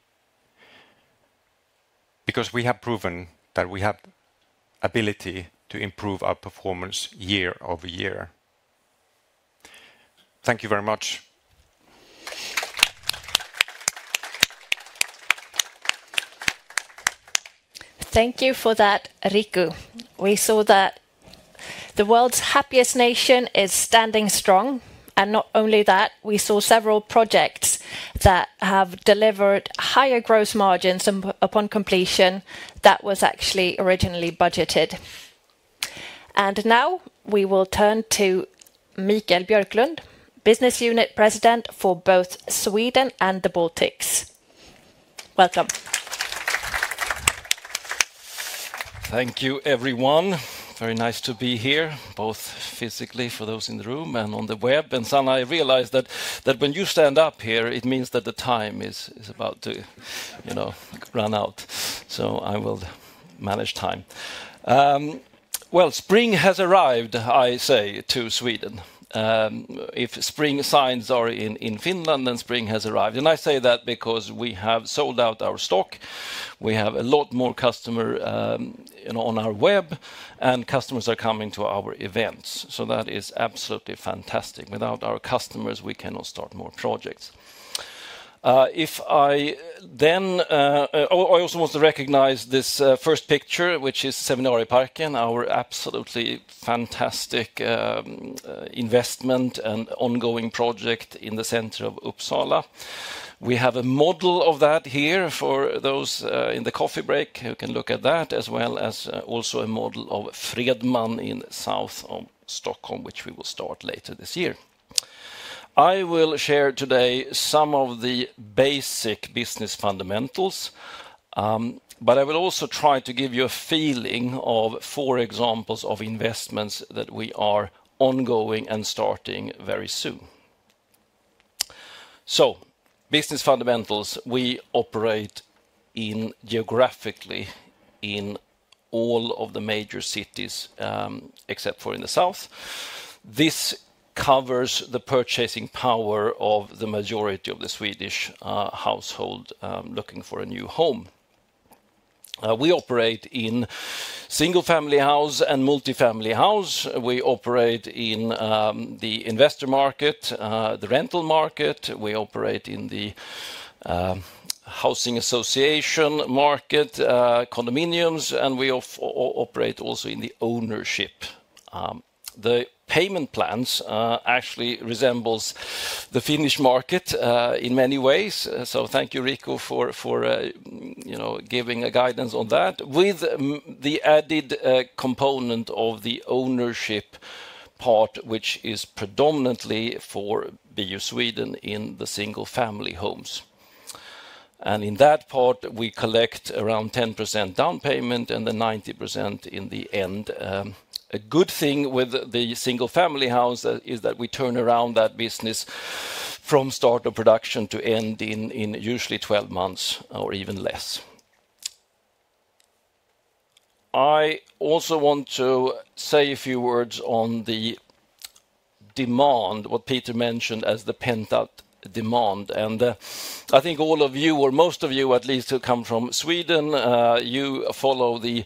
Because we have proven that we have the ability to improve our performance year over year. Thank you very much. Thank you for that, Riku. We saw that the world's happiest nation is standing strong. Not only that, we saw several projects that have delivered higher gross margins upon completion than was actually originally budgeted. Now we will turn to Michael Björklund, Business Unit President for both Sweden and the Baltics. Welcome. Thank you, everyone. Very nice to be here, both physically for those in the room and on the web. And Sanna, I realized that when you stand up here, it means that the time is about to run out. I will manage time. Spring has arrived, I say, to Sweden. If spring signs are in Finland, then spring has arrived. I say that because we have sold out our stock. We have a lot more customers on our web, and customers are coming to our events. That is absolutely fantastic. Without our customers, we cannot start more projects. If I then, I also want to recognize this first picture, which is Seminarien Parken, our absolutely fantastic investment and ongoing project in the center of Uppsala. We have a model of that here for those in the coffee break who can look at that, as well as also a model of Fredman in south of Stockholm, which we will start later this year. I will share today some of the basic business fundamentals, but I will also try to give you a feeling of four examples of investments that we are ongoing and starting very soon. Business fundamentals, we operate geographically in all of the major cities except for in the south. This covers the purchasing power of the majority of the Swedish household looking for a new home. We operate in single-family houses and multifamily houses. We operate in the investor market, the rental market. We operate in the housing association market, condominiums, and we operate also in the ownership. The payment plans actually resemble the Finnish market in many ways. Thank you, Riku, for giving guidance on that, with the added component of the ownership part, which is predominantly for BU Sweden in the single-family homes. In that part, we collect around 10% down payment and then 90% in the end. A good thing with the single-family houses is that we turn around that business from start of production to end in usually 12 months or even less. I also want to say a few words on the demand, what Peter mentioned as the pent-up demand. I think all of you, or most of you at least, who come from Sweden, you follow the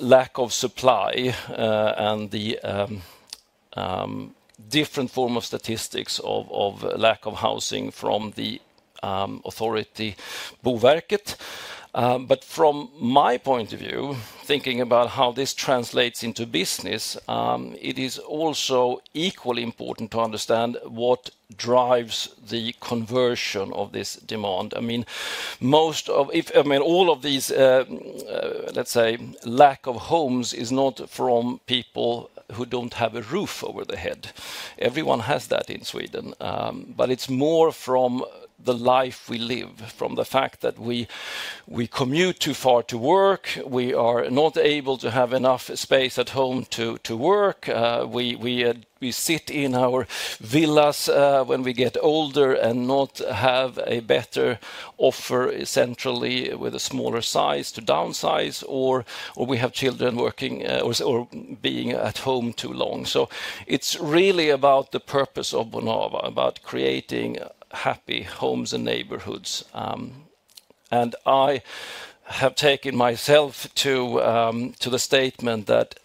lack of supply and the different form of statistics of lack of housing from the authority Boverket. From my point of view, thinking about how this translates into business, it is also equally important to understand what drives the conversion of this demand. I mean, all of this, let's say, lack of homes is not from people who do not have a roof over their head. Everyone has that in Sweden. It is more from the life we live, from the fact that we commute too far to work. We are not able to have enough space at home to work. We sit in our villas when we get older and do not have a better offer centrally with a smaller size to downsize, or we have children working or being at home too long. It is really about the purpose of Bonava, about creating happy homes and neighborhoods. I have taken myself to the statement that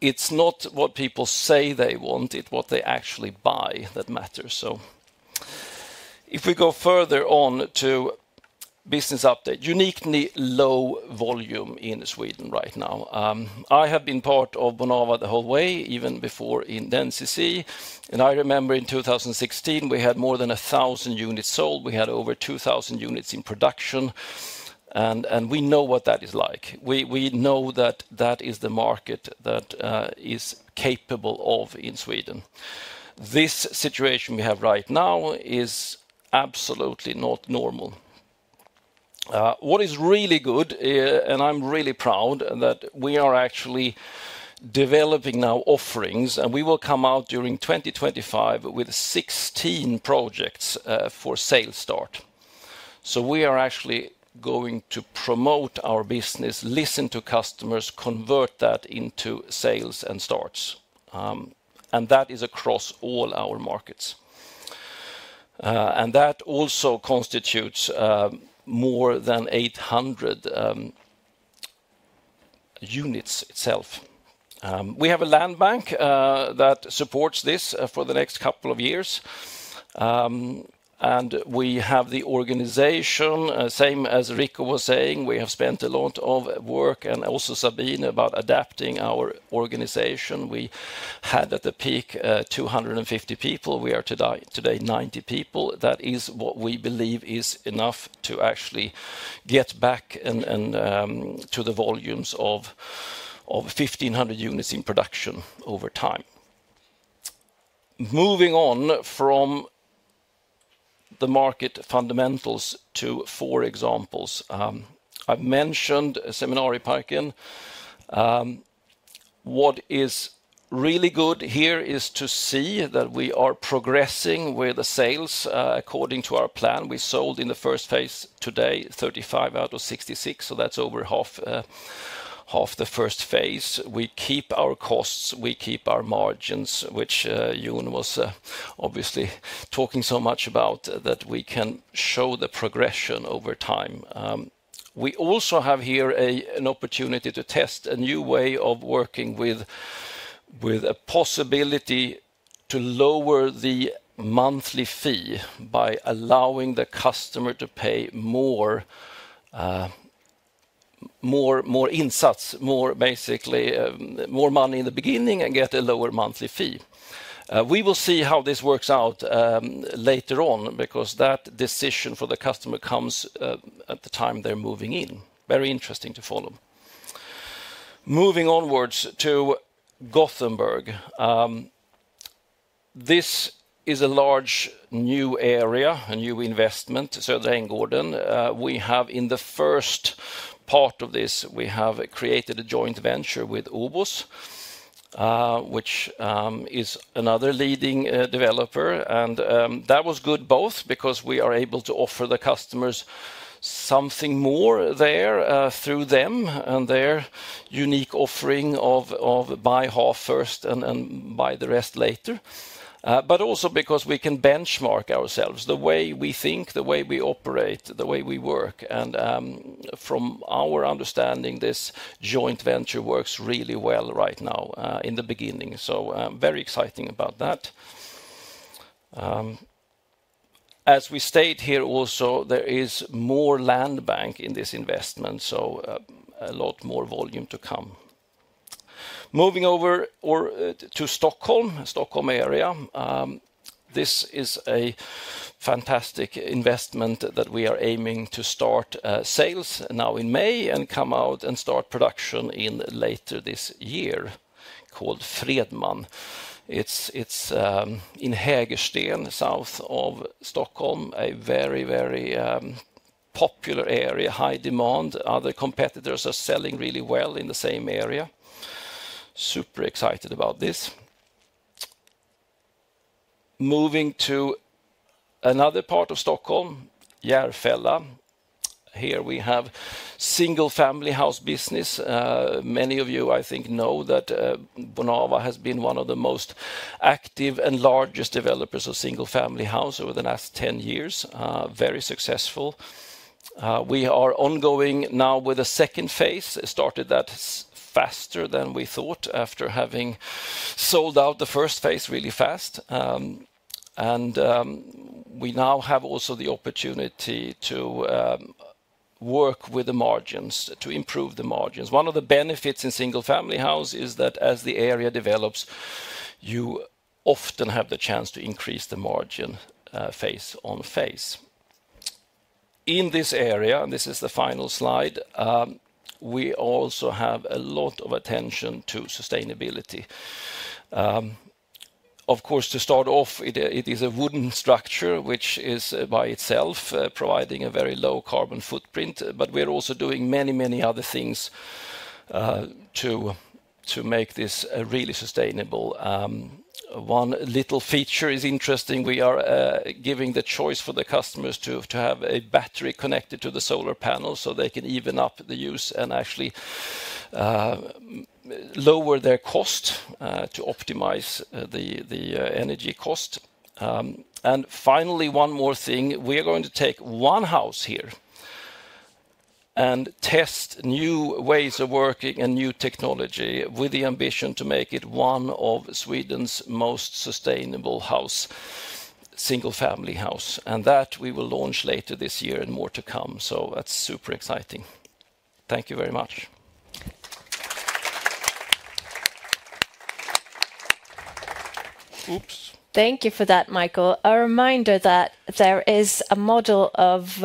it's not what people say they want, it's what they actually buy that matters. If we go further on to business update, uniquely low volume in Sweden right now. I have been part of Bonava the whole way, even before in Densicy. I remember in 2016, we had more than 1,000 units sold. We had over 2,000 units in production. We know what that is like. We know that that is the market that is capable of in Sweden. This situation we have right now is absolutely not normal. What is really good, and I'm really proud that we are actually developing now offerings, and we will come out during 2025 with 16 projects for sale start. We are actually going to promote our business, listen to customers, convert that into sales and starts. That is across all our markets. That also constitutes more than 800 units itself. We have a land bank that supports this for the next couple of years. We have the organization, same as Riku was saying, we have spent a lot of work and also Sabine about adapting our organization. We had at the peak 250 people. We are today 90 people. That is what we believe is enough to actually get back to the volumes of 1,500 units in production over time. Moving on from the market fundamentals to four examples, I have mentioned Seminarien Parken. What is really good here is to see that we are progressing with the sales according to our plan. We sold in the first phase today 35 out of 66, so that is over half the first phase. We keep our costs, we keep our margins, which June was obviously talking so much about that we can show the progression over time. We also have here an opportunity to test a new way of working with a possibility to lower the monthly fee by allowing the customer to pay more insights, more basically more money in the beginning and get a lower monthly fee. We will see how this works out later on because that decision for the customer comes at the time they're moving in. Very interesting to follow. Moving onwards to Gothenburg. This is a large new area, a new investment, Söderänggården. We have in the first part of this, we have created a joint venture with Åbos, which is another leading developer. That was good both because we are able to offer the customers something more there through them and their unique offering of buy half first and buy the rest later. Also because we can benchmark ourselves, the way we think, the way we operate, the way we work. From our understanding, this joint venture works really well right now in the beginning. Very exciting about that. As we state here also, there is more land bank in this investment, so a lot more volume to come. Moving over to Stockholm, Stockholm area. This is a fantastic investment that we are aiming to start sales now in May and come out and start production later this year called Fredman. It is in Hägersten south of Stockholm, a very, very popular area, high demand. Other competitors are selling really well in the same area. Super excited about this. Moving to another part of Stockholm, Järfälla. Here we have single-family house business. Many of you, I think, know that Bonava has been one of the most active and largest developers of single-family houses over the last 10 years. Very successful. We are ongoing now with a second phase. It started that faster than we thought after having sold out the first phase really fast. We now have also the opportunity to work with the margins, to improve the margins. One of the benefits in single-family houses is that as the area develops, you often have the chance to increase the margin phase on phase. In this area, and this is the final slide, we also have a lot of attention to sustainability. Of course, to start off, it is a wooden structure, which is by itself providing a very low carbon footprint. We are also doing many, many other things to make this really sustainable. One little feature is interesting. We are giving the choice for the customers to have a battery connected to the solar panel so they can even up the use and actually lower their cost to optimize the energy cost. Finally, one more thing. We are going to take one house here and test new ways of working and new technology with the ambition to make it one of Sweden's most sustainable houses, single-family houses. That we will launch later this year and more to come. That is super exciting. Thank you very much. Oops. Thank you for that, Mikael. A reminder that there is a model of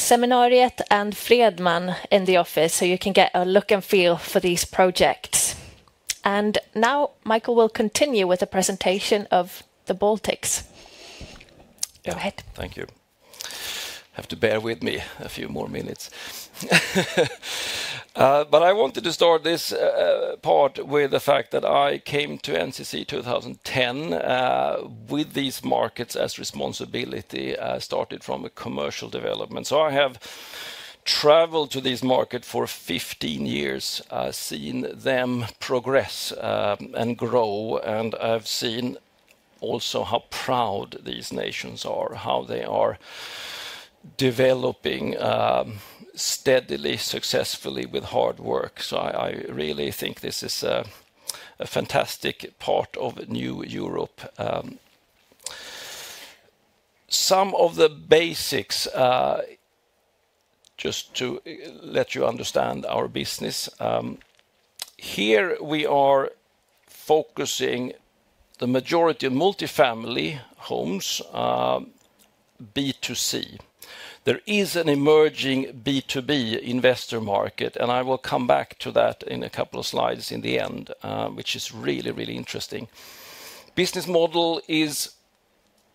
Seminariet and Fredman in the office so you can get a look and feel for these projects. Now, Mikael will continue with a presentation of the Baltics. Go ahead. Thank you. Have to bear with me a few more minutes. I wanted to start this part with the fact that I came to NCC in 2010 with these markets as responsibility. I started from a commercial development. I have traveled to these markets for 15 years. I have seen them progress and grow. I have seen also how proud these nations are, how they are developing steadily, successfully with hard work. I really think this is a fantastic part of new Europe. Some of the basics, just to let you understand our business. Here we are focusing the majority of multifamily homes B2C. There is an emerging B2B investor market. I will come back to that in a couple of slides in the end, which is really, really interesting. Business model is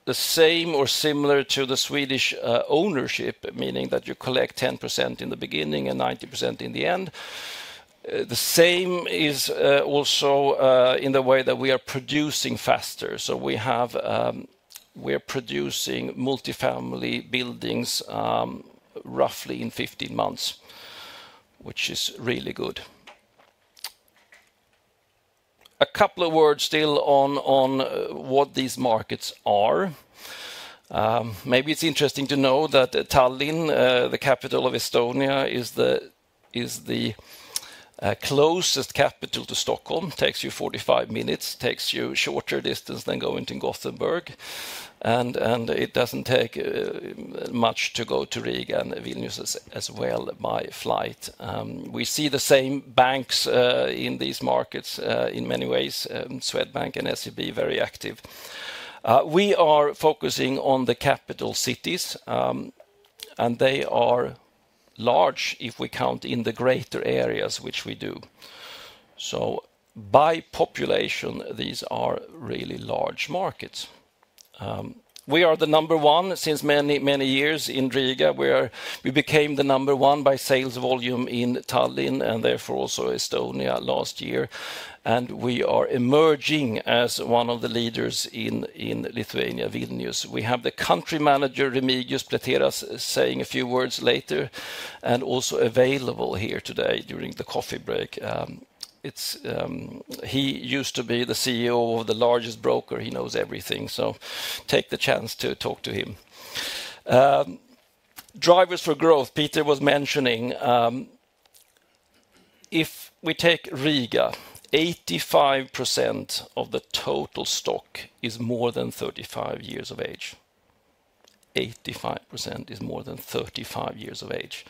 the same or similar to the Swedish ownership, meaning that you collect 10% in the beginning and 90% in the end. The same is also in the way that we are producing faster. We are producing multifamily buildings roughly in 15 months, which is really good. A couple of words still on what these markets are. Maybe it's interesting to know that Tallinn, the capital of Estonia, is the closest capital to Stockholm. It takes you 45 minutes, takes you a shorter distance than going to Gothenburg. It doesn't take much to go to Riga and Vilnius as well by flight. We see the same banks in these markets in many ways, Swedbank and SEB, very active. We are focusing on the capital cities. They are large if we count in the greater areas, which we do. By population, these are really large markets. We are the number one since many, many years in Riga. We became the number one by sales volume in Tallinn and therefore also Estonia last year. We are emerging as one of the leaders in Lithuania, Vilnius. We have the Country Manager, Remigius Plateras, saying a few words later and also available here today during the coffee break. He used to be the CEO of the largest broker. He knows everything. Take the chance to talk to him. Drivers for growth, Peter was mentioning. If we take Riga, 85% of the total stock is more than 35 years of age. 85% is more than 35 years of age.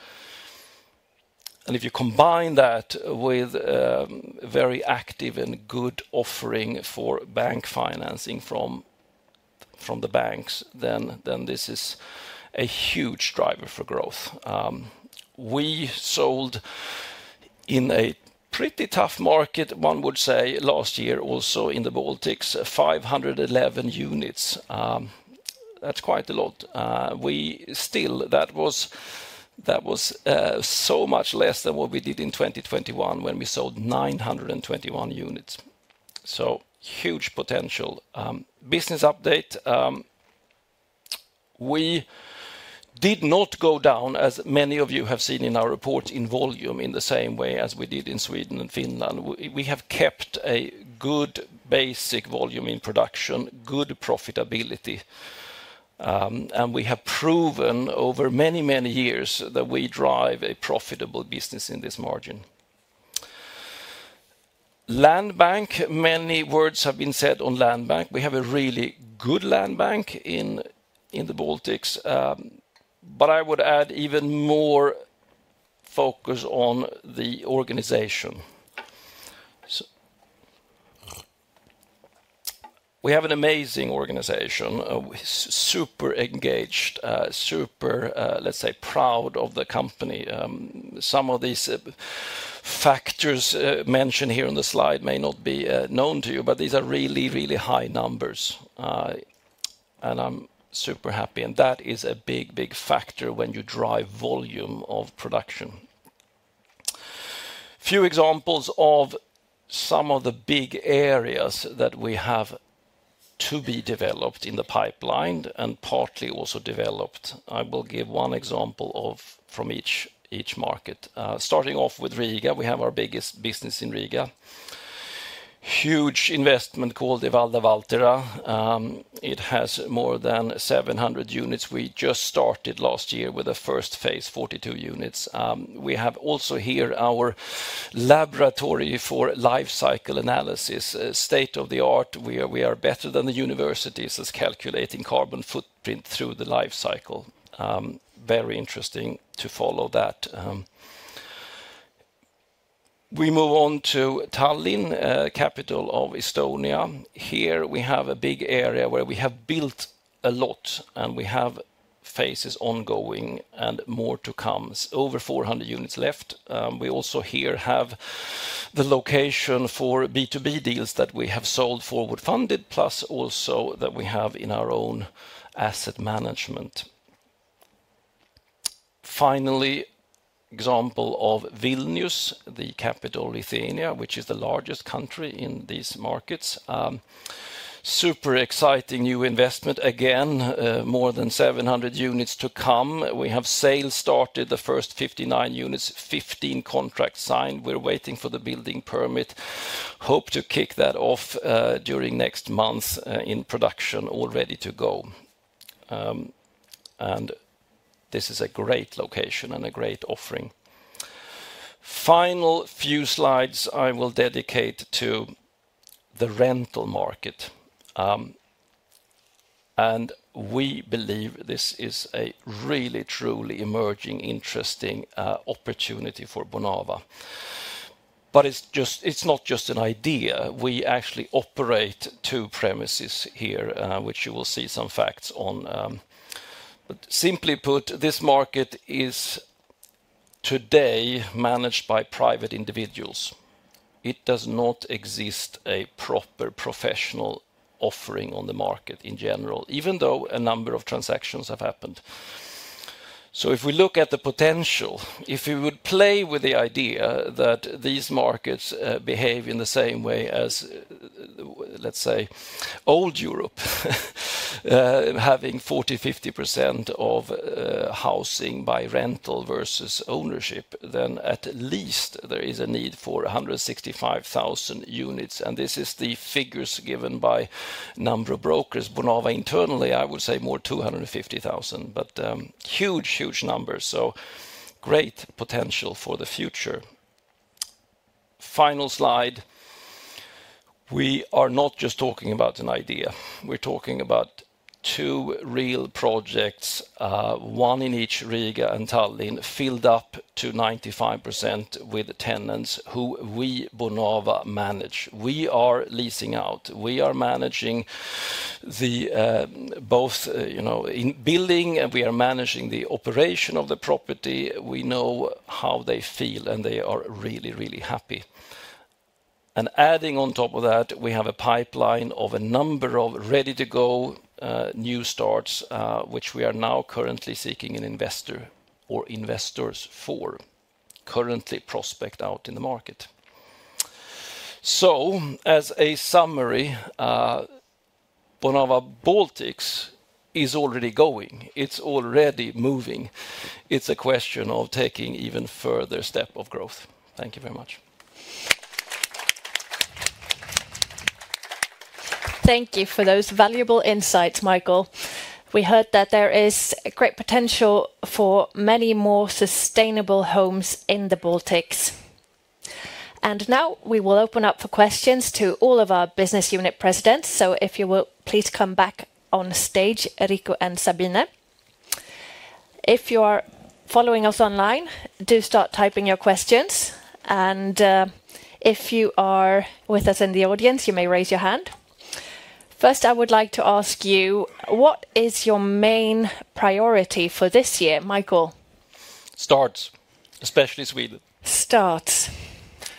If you combine that with a very active and good offering for bank financing from the banks, this is a huge driver for growth. We sold in a pretty tough market, one would say, last year also in the Baltics, 511 units. That's quite a lot. That was so much less than what we did in 2021 when we sold 921 units. Huge potential. Business update. We did not go down, as many of you have seen in our reports, in volume in the same way as we did in Sweden and Finland. We have kept a good basic volume in production, good profitability. We have proven over many, many years that we drive a profitable business in this margin. Land bank, many words have been said on land bank. We have a really good land bank in the Baltics. I would add even more focus on the organization. We have an amazing organization. We're super engaged, super, let's say, proud of the company. Some of these factors mentioned here on the slide may not be known to you, but these are really, really high numbers. I'm super happy. That is a big, big factor when you drive volume of production. Few examples of some of the big areas that we have to be developed in the pipeline and partly also developed. I will give one example from each market. Starting off with Riga, we have our biggest business in Riga. Huge investment called the Valde Valtera. It has more than 700 units. We just started last year with a first phase, 42 units. We have also here our laboratory for life cycle analysis, state of the art, where we are better than the universities as calculating carbon footprint through the life cycle. Very interesting to follow that. We move on to Tallinn, capital of Estonia. Here we have a big area where we have built a lot and we have phases ongoing and more to come. Over 400 units left. We also here have the location for B2B deals that we have sold forward funded, plus also that we have in our own asset management. Finally, example of Vilnius, the capital of Lithuania, which is the largest country in these markets. Super exciting new investment again, more than 700 units to come. We have sales started, the first 59 units, 15 contracts signed. We are waiting for the building permit. Hope to kick that off during next month in production already to go. This is a great location and a great offering. Final few slides I will dedicate to the rental market. We believe this is a really, truly emerging, interesting opportunity for Bonava. It is not just an idea. We actually operate two premises here, which you will see some facts on. Simply put, this market is today managed by private individuals. It does not exist a proper professional offering on the market in general, even though a number of transactions have happened. If we look at the potential, if we would play with the idea that these markets behave in the same way as, let's say, old Europe, having 40-50% of housing by rental versus ownership, at least there is a need for 165,000 units. These are the figures given by a number of brokers. Bonava internally, I would say more 250,000, but huge, huge numbers. Great potential for the future. Final slide. We are not just talking about an idea. We're talking about two real projects, one in each Riga and Tallinn, filled up to 95% with tenants who we Bonava manage. We are leasing out. We are managing both in building and we are managing the operation of the property. We know how they feel and they are really, really happy. Adding on top of that, we have a pipeline of a number of ready-to-go new starts, which we are now currently seeking an investor or investors for, currently prospect out in the market. As a summary, Bonava Baltics is already going. It is already moving. It is a question of taking even further step of growth. Thank you very much. Thank you for those valuable insights, Mikael. We heard that there is great potential for many more sustainable homes in the Baltics. Now we will open up for questions to all of our Business Unit Presidents. If you will please come back on stage, Rico and Sabine. If you are following us online, do start typing your questions. If you are with us in the audience, you may raise your hand. First, I would like to ask you, what is your main priority for this year, Michael? Starts, especially Sweden. Starts.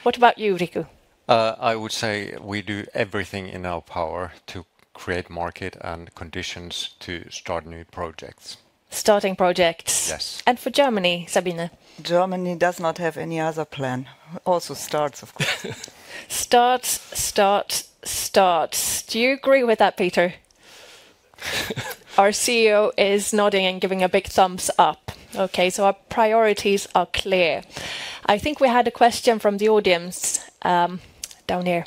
What about you, Rico? I would say we do everything in our power to create market and conditions to start new projects. Starting projects. Yes. For Germany, Sabine? Germany does not have any other plan. Also starts, of course. Starts, starts, starts. Do you agree with that, Peter? Our CEO is nodding and giving a big thumbs up. Okay, our priorities are clear. I think we had a question from the audience down here.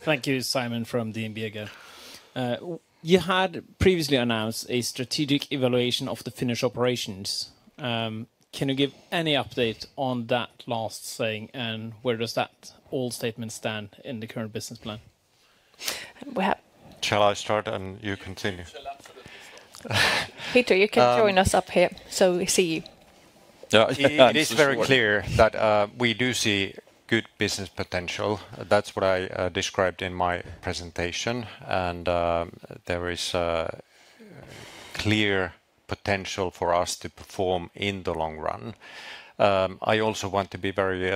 Thank you, Simen, from DNB again. You had previously announced a strategic evaluation of the Finnish operations. Can you give any update on that last thing and where does that all statement stand in the current business plan? Shall I start and you continue? Peter, you can join us up here so we see you. It is very clear that we do see good business potential. That's what I described in my presentation. There is a clear potential for us to perform in the long run. I also want to be very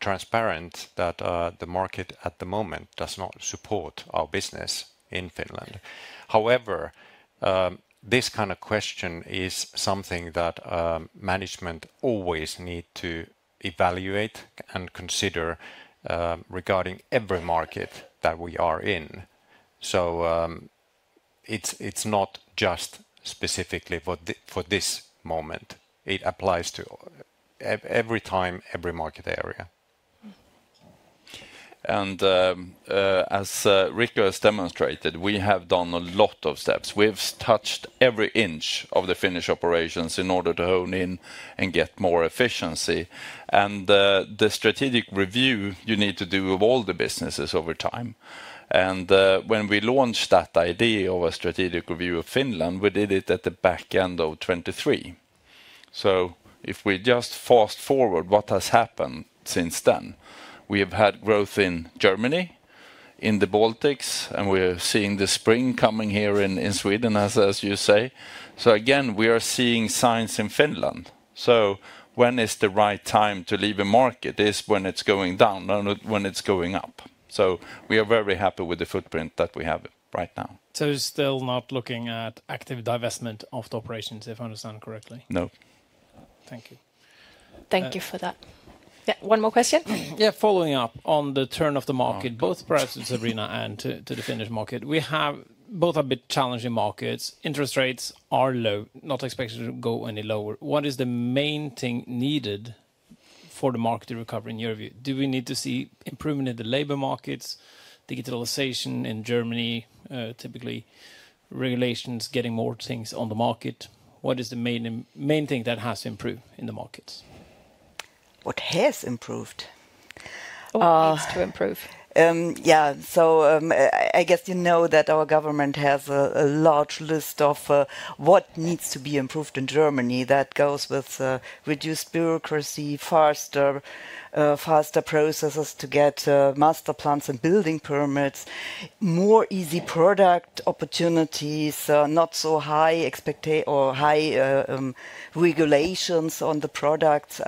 transparent that the market at the moment does not support our business in Finland. However, this kind of question is something that management always needs to evaluate and consider regarding every market that we are in. It is not just specifically for this moment. It applies to every time, every market area. As Rico has demonstrated, we have done a lot of steps. We've touched every inch of the Finnish operations in order to hone in and get more efficiency. The strategic review you need to do of all the businesses over time. When we launched that idea of a strategic review of Finland, we did it at the back end of 2023. If we just fast forward what has happened since then, we have had growth in Germany, in the Baltics, and we are seeing the spring coming here in Sweden, as you say. We are seeing signs in Finland. When is the right time to leave a market? It is when it is going down and when it is going up. We are very happy with the footprint that we have right now. Still not looking at active divestment of the operations, if I understand correctly? No. Thank you. Thank you for that. Yeah, one more question? Following up on the turn of the market, both perhaps to Sabine and to the Finnish market, we have both a bit challenging markets. Interest rates are low, not expected to go any lower. What is the main thing needed for the market to recover in your view? Do we need to see improvement in the labor markets, digitalization in Germany, typically regulations getting more things on the market? What is the main thing that has to improve in the markets? What has improved? What needs to improve? Yeah, I guess you know that our government has a large list of what needs to be improved in Germany that goes with reduced bureaucracy, faster processes to get master plans and building permits, more easy product opportunities, not so high expectations or high regulations on the products.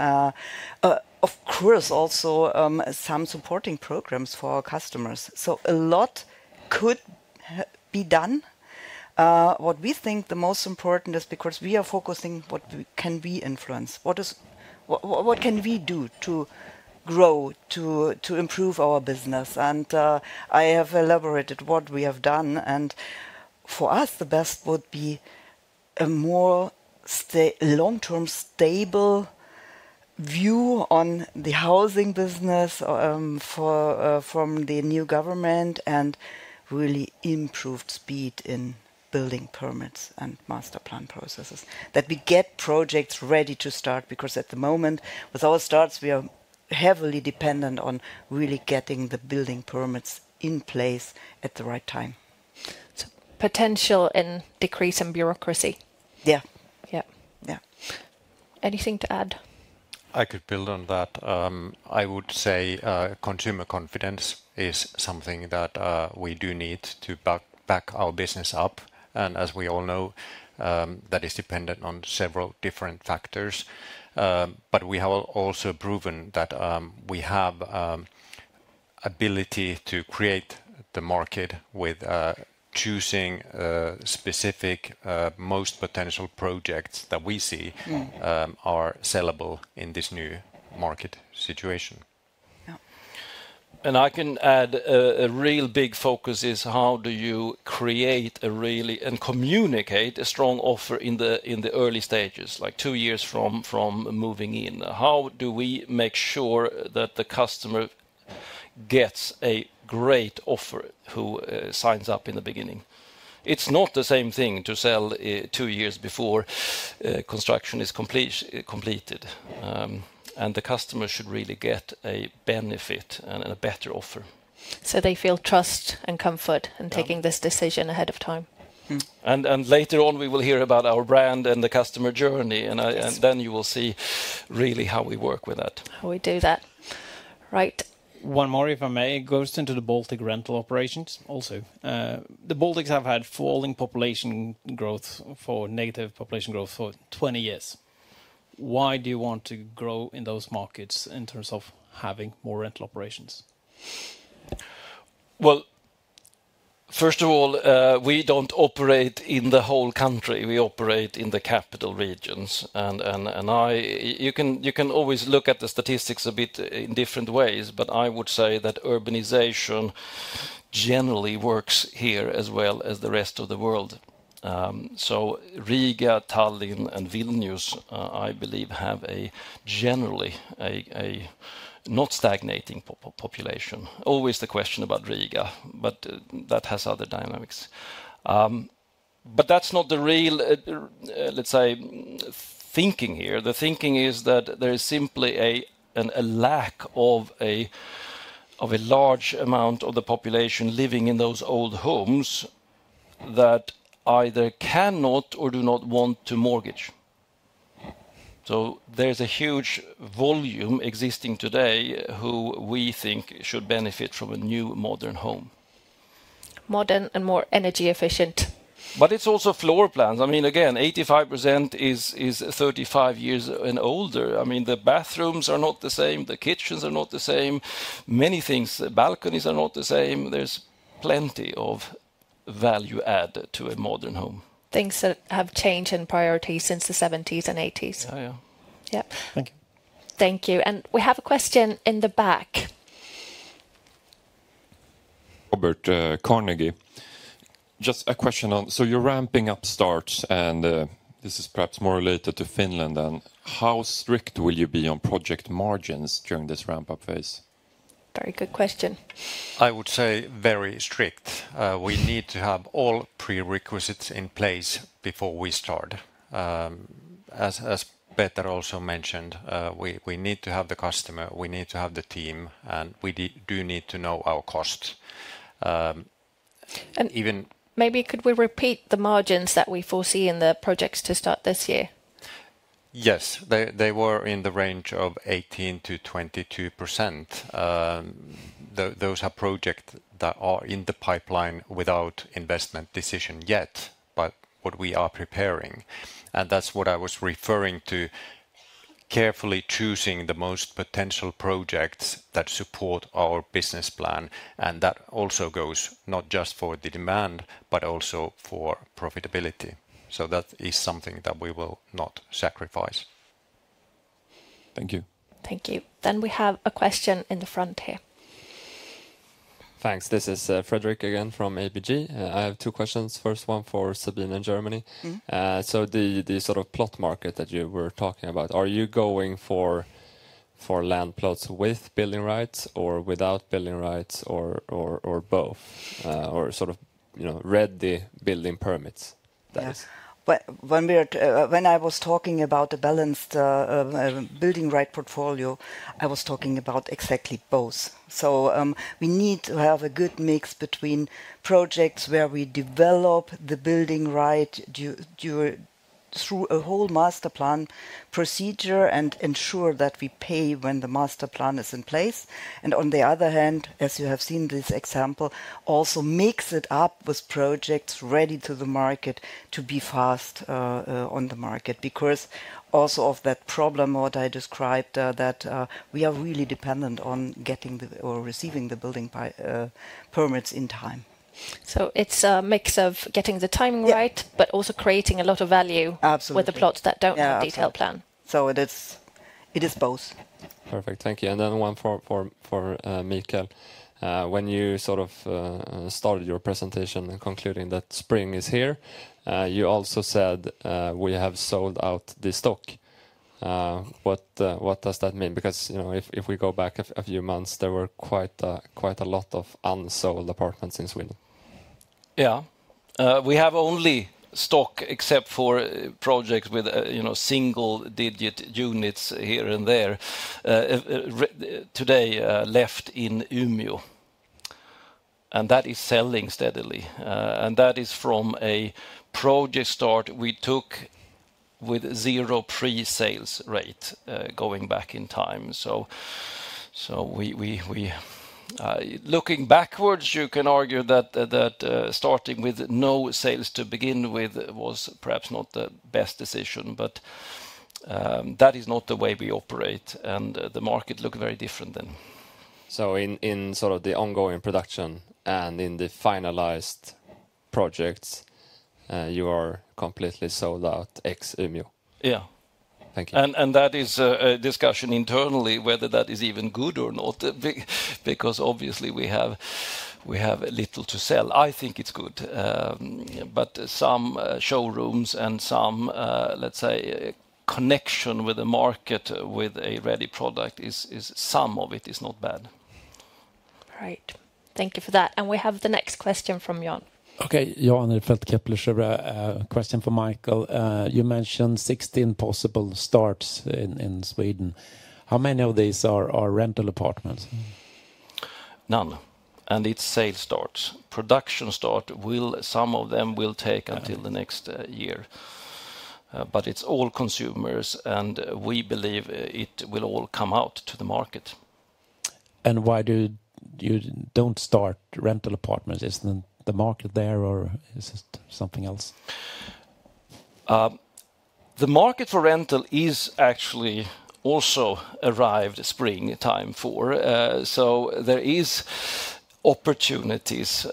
Of course, also some supporting programs for our customers. A lot could be done. What we think the most important is because we are focusing on what can we influence. What can we do to grow, to improve our business? I have elaborated what we have done. For us, the best would be a more long-term stable view on the housing business from the new government and really improved speed in building permits and master plan processes. That we get projects ready to start because at the moment with our starts, we are heavily dependent on really getting the building permits in place at the right time. Potential in decrease in bureaucracy. Yeah. Anything to add? I could build on that. I would say consumer confidence is something that we do need to back our business up. As we all know, that is dependent on several different factors. We have also proven that we have ability to create the market with choosing specific, most potential projects that we see are sellable in this new market situation. I can add a real big focus is how do you create a really and communicate a strong offer in the early stages, like two years from moving in? How do we make sure that the customer gets a great offer who signs up in the beginning? It's not the same thing to sell two years before construction is completed. The customer should really get a benefit and a better offer. They feel trust and comfort in taking this decision ahead of time. Later on, we will hear about our brand and the customer journey. You will see really how we work with that. How we do that. Right. One more, if I may, goes into the Baltic rental operations also. The Baltics have had falling population growth for negative population growth for 20 years. Why do you want to grow in those markets in terms of having more rental operations? First of all, we do not operate in the whole country. We operate in the capital regions. You can always look at the statistics a bit in different ways, but I would say that urbanization generally works here as well as the rest of the world. Riga, Tallinn, and Vilnius, I believe, have generally a not stagnating population. Always the question about Riga, but that has other dynamics. That is not the real, let's say, thinking here. The thinking is that there is simply a lack of a large amount of the population living in those old homes that either cannot or do not want to mortgage. There is a huge volume existing today who we think should benefit from a new modern home. Modern and more energy efficient. It is also floor plans. I mean, again, 85% is 35 years and older. I mean, the bathrooms are not the same. The kitchens are not the same. Many things, balconies are not the same. There is plenty of value added to a modern home. Things that have changed in priority since the 1970s and 1980s. Yeah. Yeah. Thank you. Thank you. We have a question in the back. Robert, Carnegie. Just a question on, you are ramping up starts, and this is perhaps more related to Finland then. How strict will you be on project margins during this ramp-up phase? Very good question. I would say very strict. We need to have all prerequisites in place before we start. As Peter also mentioned, we need to have the customer, we need to have the team, and we do need to know our cost. Maybe could we repeat the margins that we foresee in the projects to start this year? Yes, they were in the range of 18%-22%. Those are projects that are in the pipeline without investment decision yet, but what we are preparing. That is what I was referring to, carefully choosing the most potential projects that support our business plan. That also goes not just for the demand, but also for profitability. That is something that we will not sacrifice. Thank you. Thank you. We have a question in the front here. Thanks. This is Fredrik again from ABG. I have two questions. First one for Sabine in Germany. The sort of plot market that you were talking about, are you going for land plots with building rights or without building rights or both? Or ready building permits? When I was talking about the balanced building right portfolio, I was talking about exactly both. We need to have a good mix between projects where we develop the building right through a whole master plan procedure and ensure that we pay when the master plan is in place. On the other hand, as you have seen this example, also mix it up with projects ready to the market to be fast on the market. Because also of that problem, what I described, that we are really dependent on getting or receiving the building permits in time. It is a mix of getting the timing right, but also creating a lot of value with the plots that do not have a detailed plan. It is both. Perfect. Thank you. One for Michael. When you sort of started your presentation concluding that spring is here, you also said we have sold out the stock. What does that mean? If we go back a few months, there were quite a lot of unsold apartments in Sweden. Yeah. We have only stock except for projects with single digit units here and there today left in Umeå. That is selling steadily. That is from a project start we took with zero pre-sales rate going back in time. Looking backwards, you can argue that starting with no sales to begin with was perhaps not the best decision. That is not the way we operate. The market looked very different then. In the ongoing production and in the finalized projects, you are completely sold out except Umeå? Yeah. Thank you. That is a discussion internally whether that is even good or not. Obviously we have little to sell. I think it's good. Some showrooms and some, let's say, connection with the market with a ready product, some of it is not bad. All right. Thank you for that. We have the next question from Jan. Okay. Jan Inhrfelt, a question for Mikael. You mentioned 16 possible starts in Sweden. How many of these are rental apartments? None. It's sale starts. Production start, some of them will take until the next year. It is all consumers. We believe it will all come out to the market. Why do you not start rental apartments? Is the market there or is it something else? The market for rental is actually also arrived spring time for. There are opportunities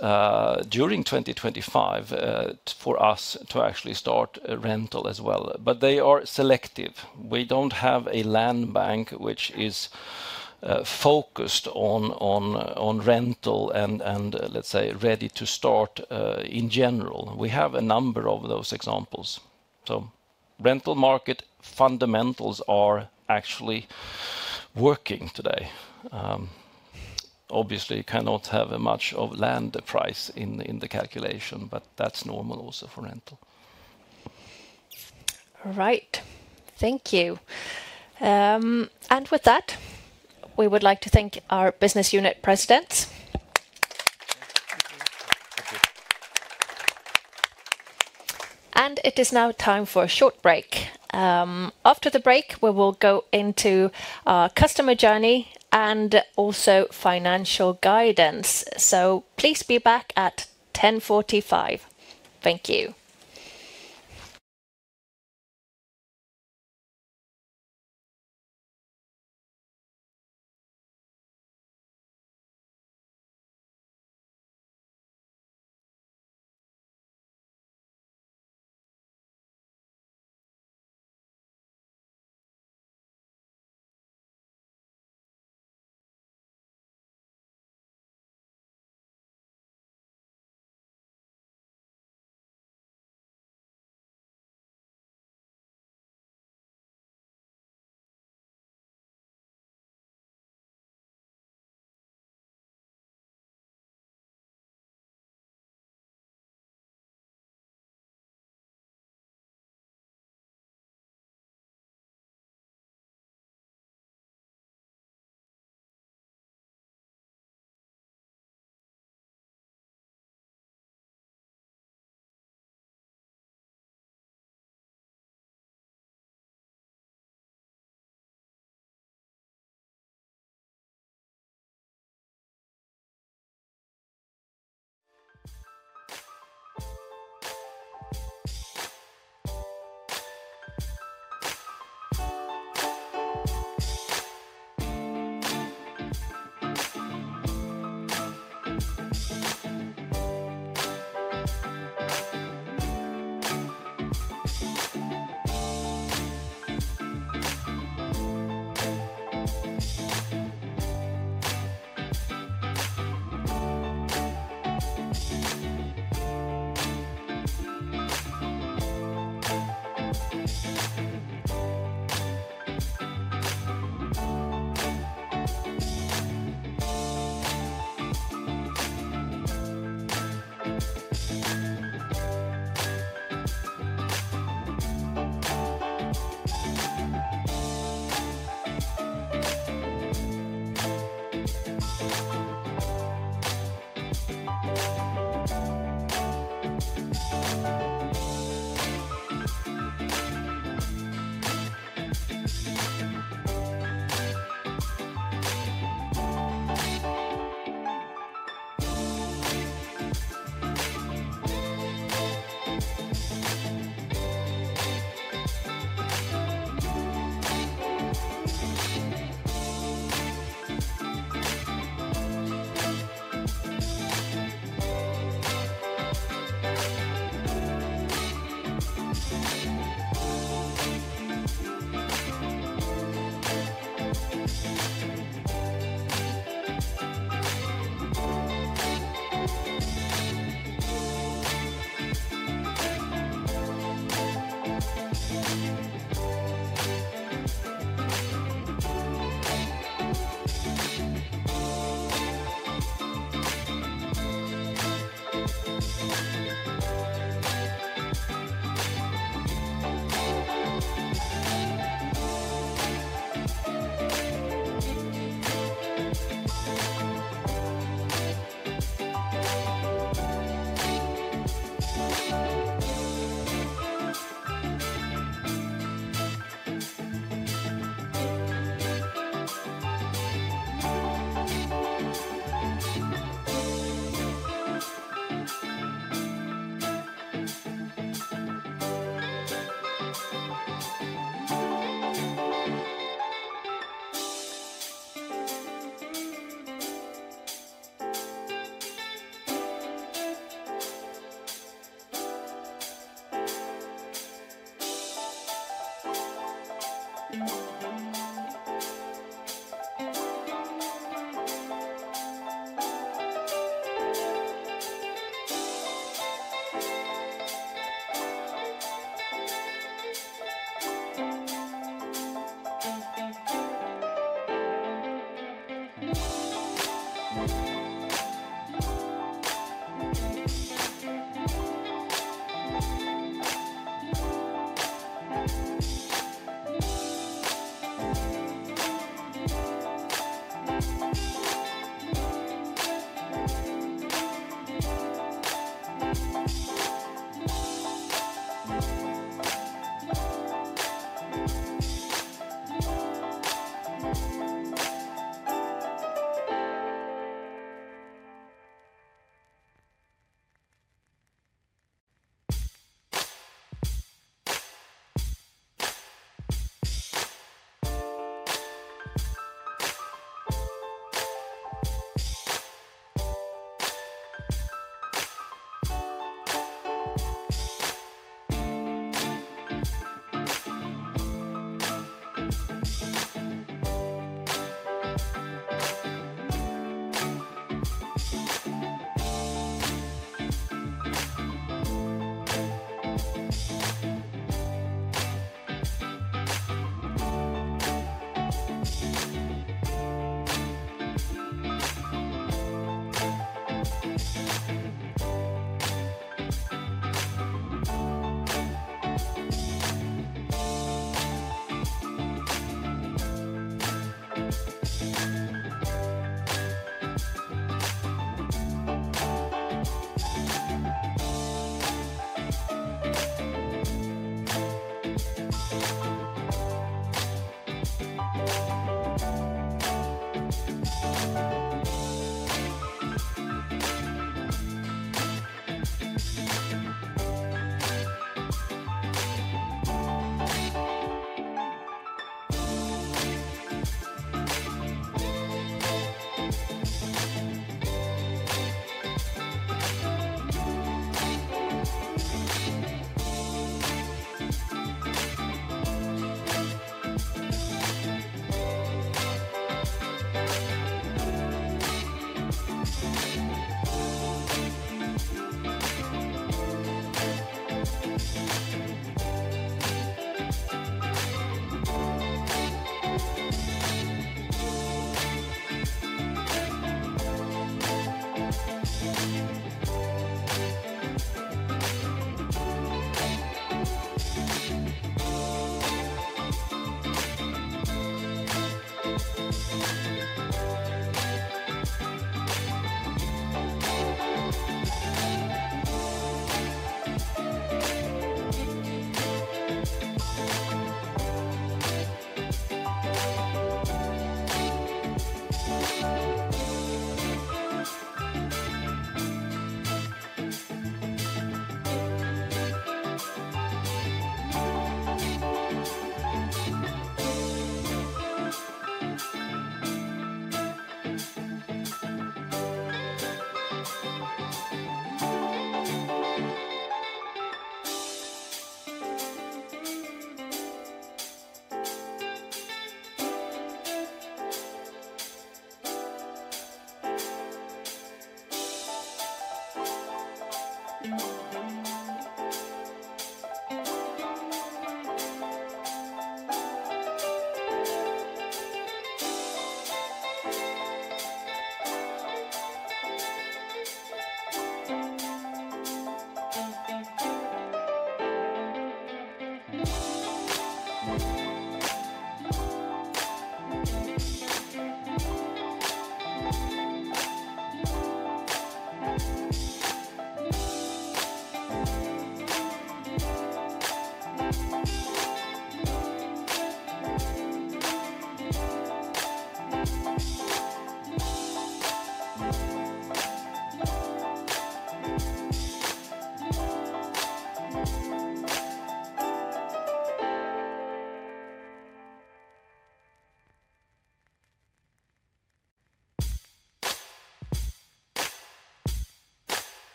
during 2025 for us to actually start rental as well. They are selective. We do not have a land bank which is focused on rental and, let's say, ready to start in general. We have a number of those examples. Rental market fundamentals are actually working today. Obviously, you cannot have much of land price in the calculation, but that is normal also for rental. All right. Thank you. With that, we would like to thank our Business Unit Presidents. It is now time for a short break. After the break, we will go into customer journey and also financial guidance. Please be back at 10:45. Thank you.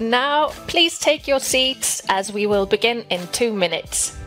Now, please take your seats as we will begin in two minutes.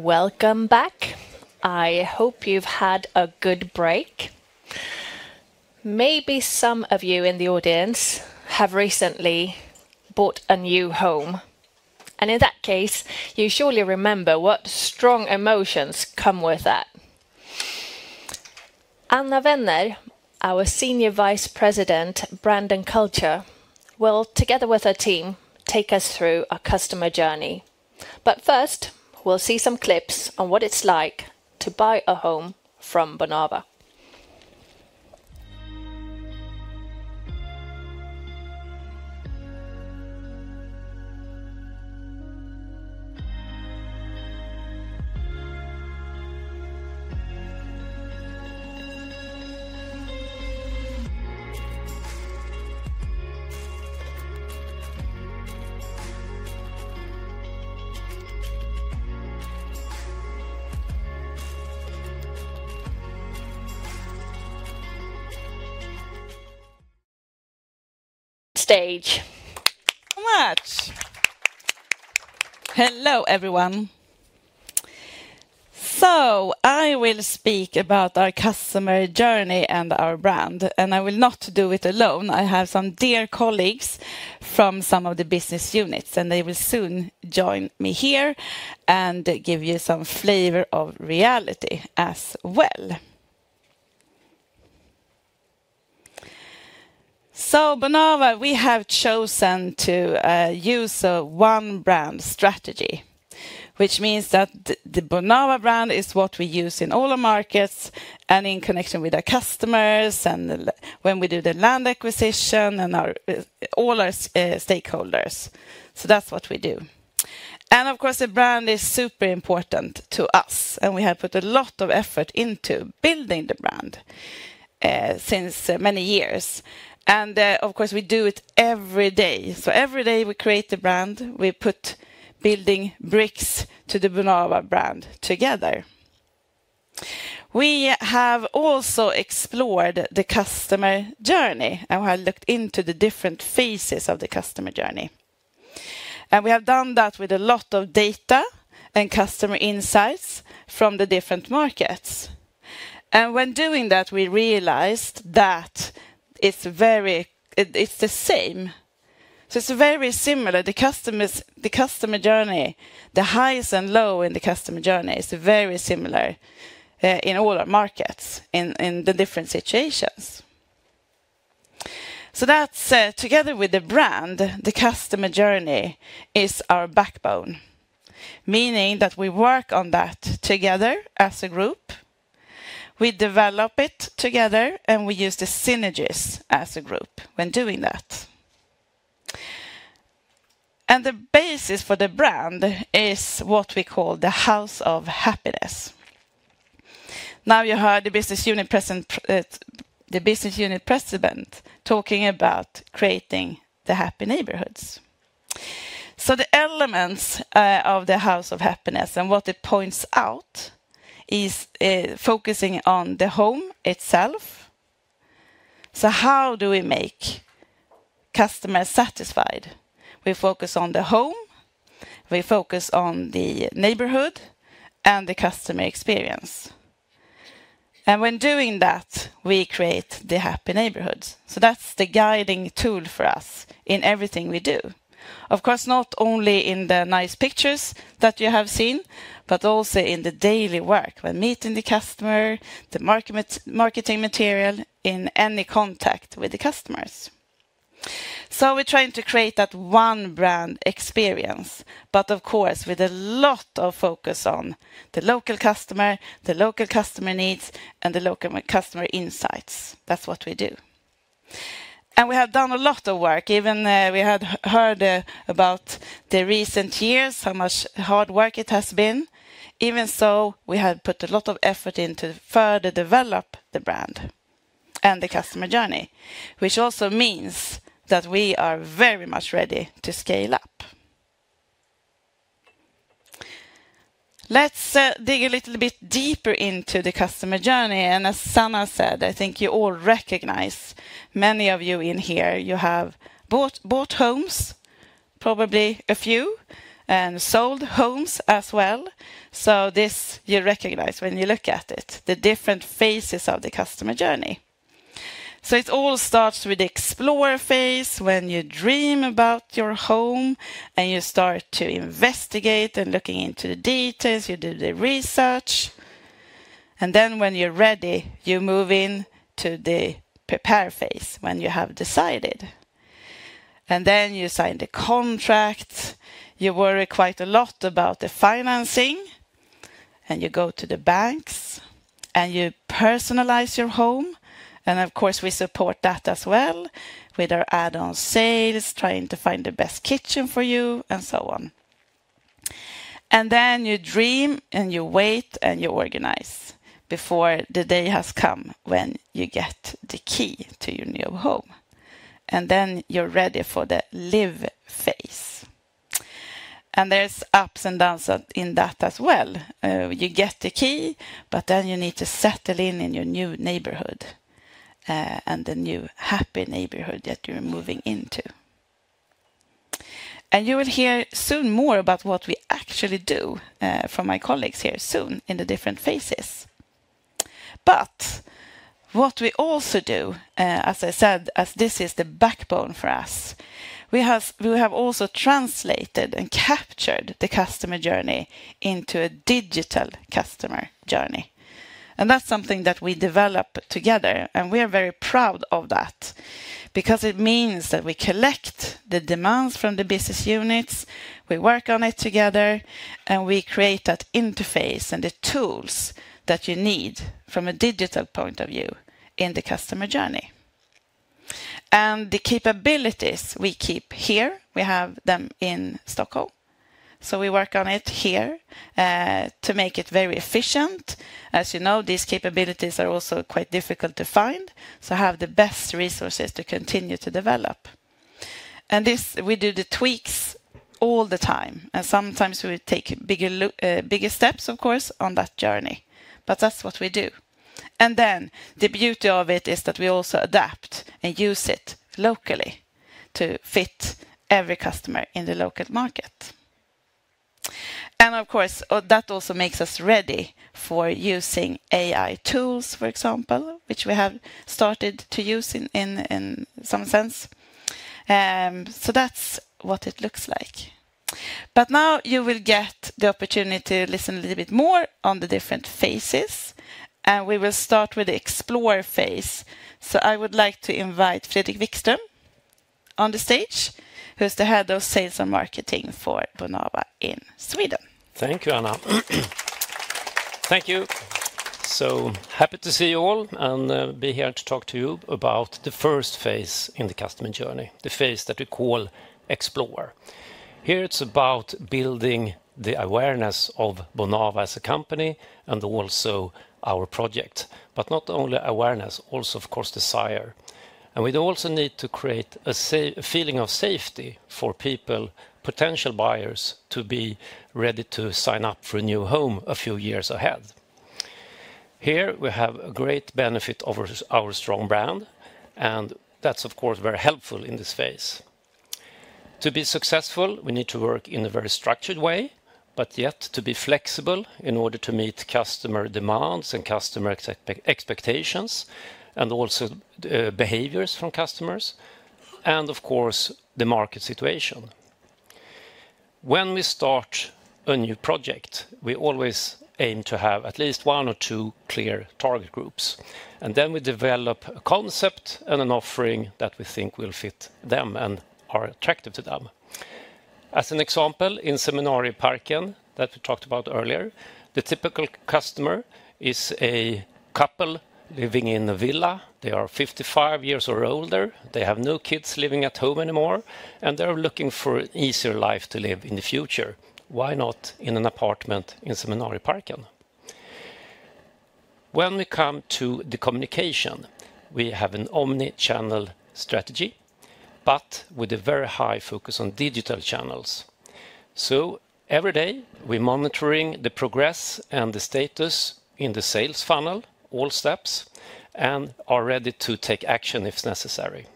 Welcome back. I hope you've had a good break. Maybe some of you in the audience have recently bought a new home. In that case, you surely remember what strong emotions come with that. Anna Wenner, Our Senior Vice President, Anna, will together with her team take us through our customer journey. First, we will see some clips on what it is like to buy a home from Bonava. Stage. Come on. Hello, everyone. I will speak about our customer journey and our brand, and I will not do it alone. I have some dear colleagues from some of the business units, and they will soon join me here and give you some flavor of reality as well. Bonava, we have chosen to use a one-brand strategy, which means that the Bonava brand is what we use in all our markets and in connection with our customers and when we do the land acquisition and all our stakeholders. That is what we do. Of course, the brand is super important to us, and we have put a lot of effort into building the brand since many years. Of course, we do it every day. Every day we create the brand. We put building bricks to the Bonava brand together. We have also explored the customer journey and have looked into the different phases of the customer journey. We have done that with a lot of data and customer insights from the different markets. When doing that, we realized that it is very—it is the same. It is very similar. The customer journey, the highs and lows in the customer journey, is very similar in all our markets in the different situations. That, together with the brand, the customer journey is our backbone, meaning that we work on that together as a group. We develop it together, and we use the synergies as a group when doing that. The basis for the brand is what we call the House of Happiness. You heard the Business Unit President talking about creating the happy neighborhoods. The elements of the House of Happiness and what it points out is focusing on the home itself. How do we make customers satisfied? We focus on the home. We focus on the neighborhood and the customer experience. When doing that, we create the happy neighborhoods. That is the guiding tool for us in everything we do. Of course, not only in the nice pictures that you have seen, but also in the daily work when meeting the customer, the marketing material, in any contact with the customers. We are trying to create that one brand experience, but of course with a lot of focus on the local customer, the local customer needs, and the local customer insights. That is what we do. We have done a lot of work. Even we had heard about the recent years, how much hard work it has been. Even so, we have put a lot of effort into further develop the brand and the customer journey, which also means that we are very much ready to scale up. Let's dig a little bit deeper into the customer journey. As Sanna said, I think you all recognize, many of you in here, you have bought homes, probably a few, and sold homes as well. This you recognize when you look at it, the different phases of the customer journey. It all starts with the explore phase when you dream about your home and you start to investigate and look into the details. You do the research. When you're ready, you move into the prepare phase when you have decided. You sign the contract. You worry quite a lot about the financing, and you go to the banks and you personalize your home. Of course, we support that as well with our add-on sales, trying to find the best kitchen for you and so on. You dream and you wait and you organize before the day has come when you get the key to your new home. You are ready for the live phase. There are ups and downs in that as well. You get the key, but then you need to settle in in your new neighborhood and the new happy neighborhood that you are moving into. You will hear soon more about what we actually do from my colleagues here soon in the different phases. What we also do, as I said, as this is the backbone for us, we have also translated and captured the customer journey into a digital customer journey. That is something that we develop together, and we are very proud of that because it means that we collect the demands from the business units, we work on it together, and we create that interface and the tools that you need from a digital point of view in the customer journey. The capabilities we keep here, we have them in Stockholm. We work on it here to make it very efficient. As you know, these capabilities are also quite difficult to find. We have the best resources to continue to develop. We do the tweaks all the time. Sometimes we take bigger steps, of course, on that journey. That is what we do. The beauty of it is that we also adapt and use it locally to fit every customer in the local market. Of course, that also makes us ready for using AI tools, for example, which we have started to use in some sense. That is what it looks like. Now you will get the opportunity to listen a little bit more on the different phases. We will start with the explore phase. I would like to invite Fredrik Wickström on the stage, who's the Head of Sales and Marketing for Bonava in Sweden. Thank you, Anna. Thank you. So happy to see you all and be here to talk to you about the first phase in the customer journey, the phase that we call explore. Here it is about building the awareness of Bonava as a company and also our project. Not only awareness, also, of course, desire. We also need to create a feeling of safety for people, potential buyers, to be ready to sign up for a new home a few years ahead. Here we have a great benefit of our strong brand, and that's, of course, very helpful in this phase. To be successful, we need to work in a very structured way, yet to be flexible in order to meet customer demands and customer expectations and also behaviors from customers. Of course, the market situation. When we start a new project, we always aim to have at least one or two clear target groups. Then we develop a concept and an offering that we think will fit them and are attractive to them. As an example, in Seminarien Parken that we talked about earlier, the typical customer is a couple living in a villa. They are 55 years or older. They have no kids living at home anymore, and they're looking for an easier life to live in the future. Why not in an apartment in Seminarien Parken? When we come to the communication, we have an omnichannel strategy, but with a very high focus on digital channels. Every day we're monitoring the progress and the status in the sales funnel, all steps, and are ready to take action if necessary.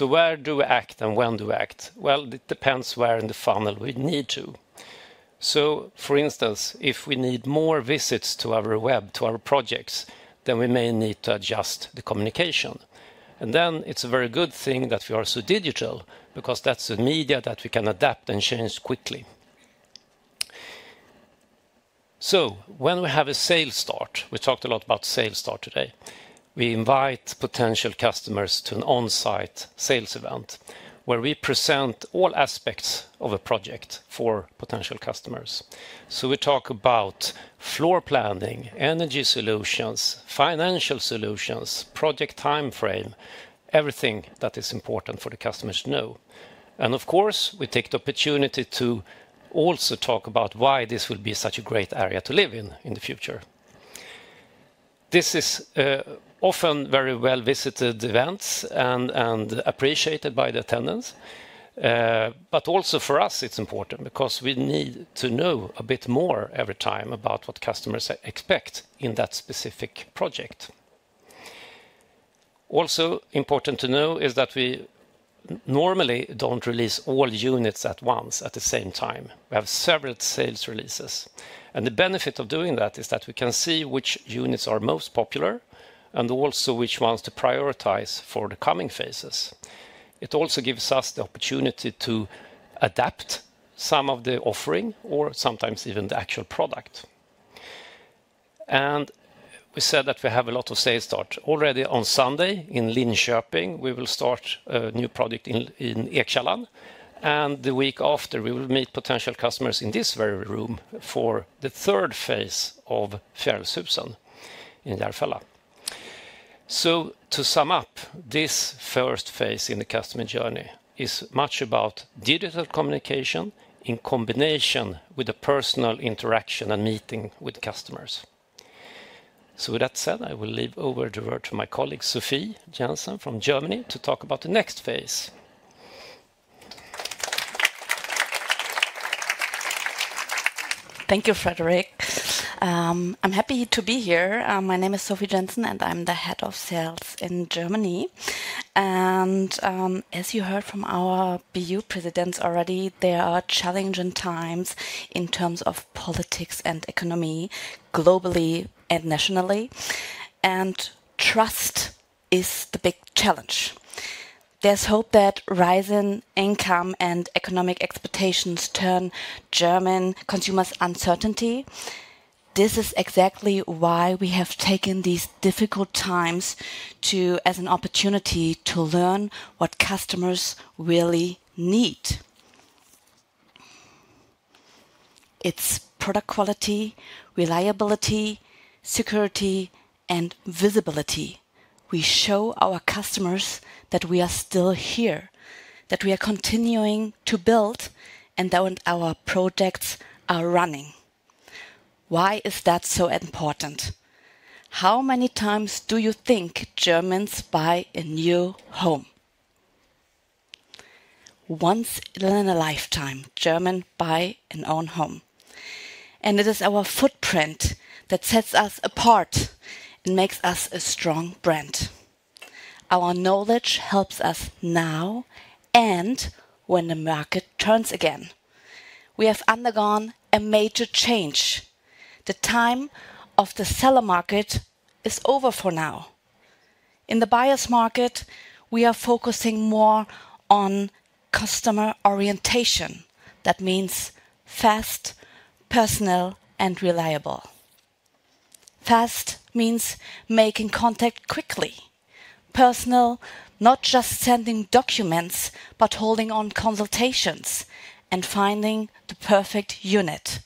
Where do we act and when do we act? It depends where in the funnel we need to. For instance, if we need more visits to our web, to our projects, then we may need to adjust the communication. It's a very good thing that we are so digital because that's a media that we can adapt and change quickly. When we have a sales start, we talked a lot about sales start today. We invite potential customers to an on-site sales event where we present all aspects of a project for potential customers. We talk about floor planning, energy solutions, financial solutions, project timeframe, everything that is important for the customers to know. Of course, we take the opportunity to also talk about why this will be such a great area to live in in the future. These are often very well-visited events and appreciated by the attendance. Also for us, it's important because we need to know a bit more every time about what customers expect in that specific project. Also important to know is that we normally don't release all units at once at the same time. We have several sales releases. The benefit of doing that is that we can see which units are most popular and also which ones to prioritize for the coming phases. It also gives us the opportunity to adapt some of the offering or sometimes even the actual product. We said that we have a lot of sales start already on Sunday in Linköping. We will start a new project in Ekkällan. The week after, we will meet potential customers in this very room for the third phase of Fjällhusen in Järfälla. To sum up, this first phase in the customer journey is much about digital communication in combination with the personal interaction and meeting with customers. With that said, I will leave over to my colleague Sophie Jensen from Germany to talk about the next phase. Thank you, Fredrik. I'm happy to be here. My name is Sophie Jensen, and I'm the Head of Sales in Germany. As you heard from our BU presidents already, there are challenging times in terms of politics and economy globally and nationally. Trust is the big challenge. There is hope that rising income and economic expectations turn German consumers' uncertainty. This is exactly why we have taken these difficult times as an opportunity to learn what customers really need. It's product quality, reliability, security, and visibility. We show our customers that we are still here, that we are continuing to build, and that our projects are running. Why is that so important? How many times do you think Germans buy a new home? Once in a lifetime, Germans buy an own home. It is our footprint that sets us apart and makes us a strong brand. Our knowledge helps us now and when the market turns again. We have undergone a major change. The time of the seller market is over for now. In the buyer's market, we are focusing more on customer orientation. That means fast, personal, and reliable. Fast means making contact quickly. Personal, not just sending documents, but holding on consultations and finding the perfect unit.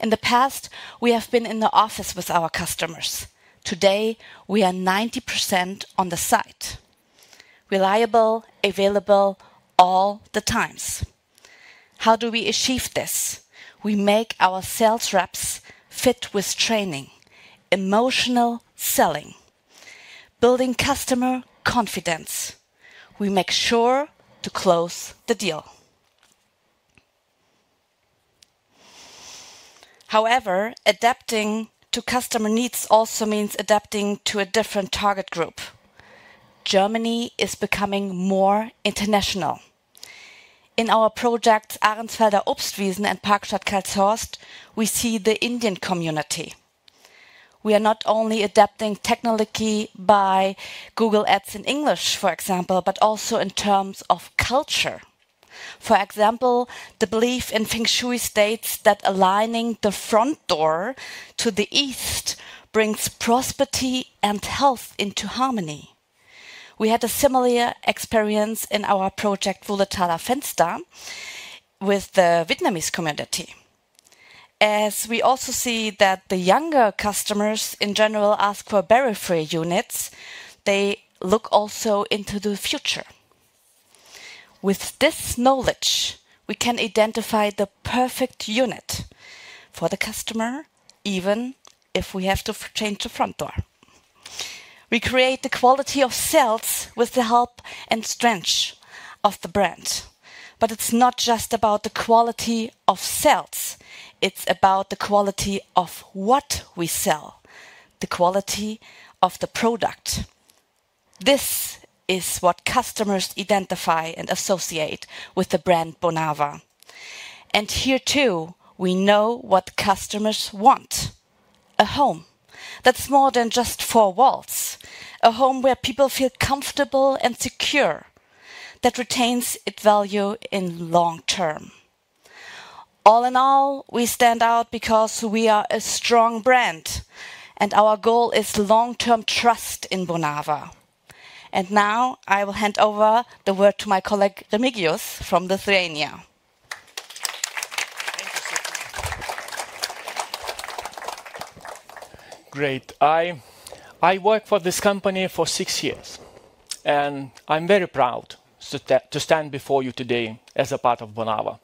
In the past, we have been in the office with our customers. Today, we are 90% on the site. Reliable, available all the times. How do we achieve this? We make our sales reps fit with training, emotional selling, building customer confidence. We make sure to close the deal. However, adapting to customer needs also means adapting to a different target group. Germany is becoming more international. In our project, Ahrensfelde Obstwiesen and Parkstadt Karlshorst, we see the Indian community. We are not only adapting technology by Google Ads in English, for example, but also in terms of culture. For example, the belief in Feng Shui states that aligning the front door to the east brings prosperity and health into harmony. We had a similar experience in our project, Wurlathaler Fenster, with the Vietnamese community. As we also see that the younger customers in general ask for berry-free units, they look also into the future. With this knowledge, we can identify the perfect unit for the customer, even if we have to change the front door. We create the quality of sales with the help and strength of the brand. It is not just about the quality of sales. It is about the quality of what we sell, the quality of the product. This is what customers identify and associate with the brand Bonava. Here too, we know what customers want: a home that's more than just four walls, a home where people feel comfortable and secure, that retains its value in the long term. All in all, we stand out because we are a strong brand, and our goal is long-term trust in Bonava. Now I will hand over the word to my colleague Remigijus from Lithuania. Great. I worked for this company for six years, and I'm very proud to stand before you today as a part of Bonava,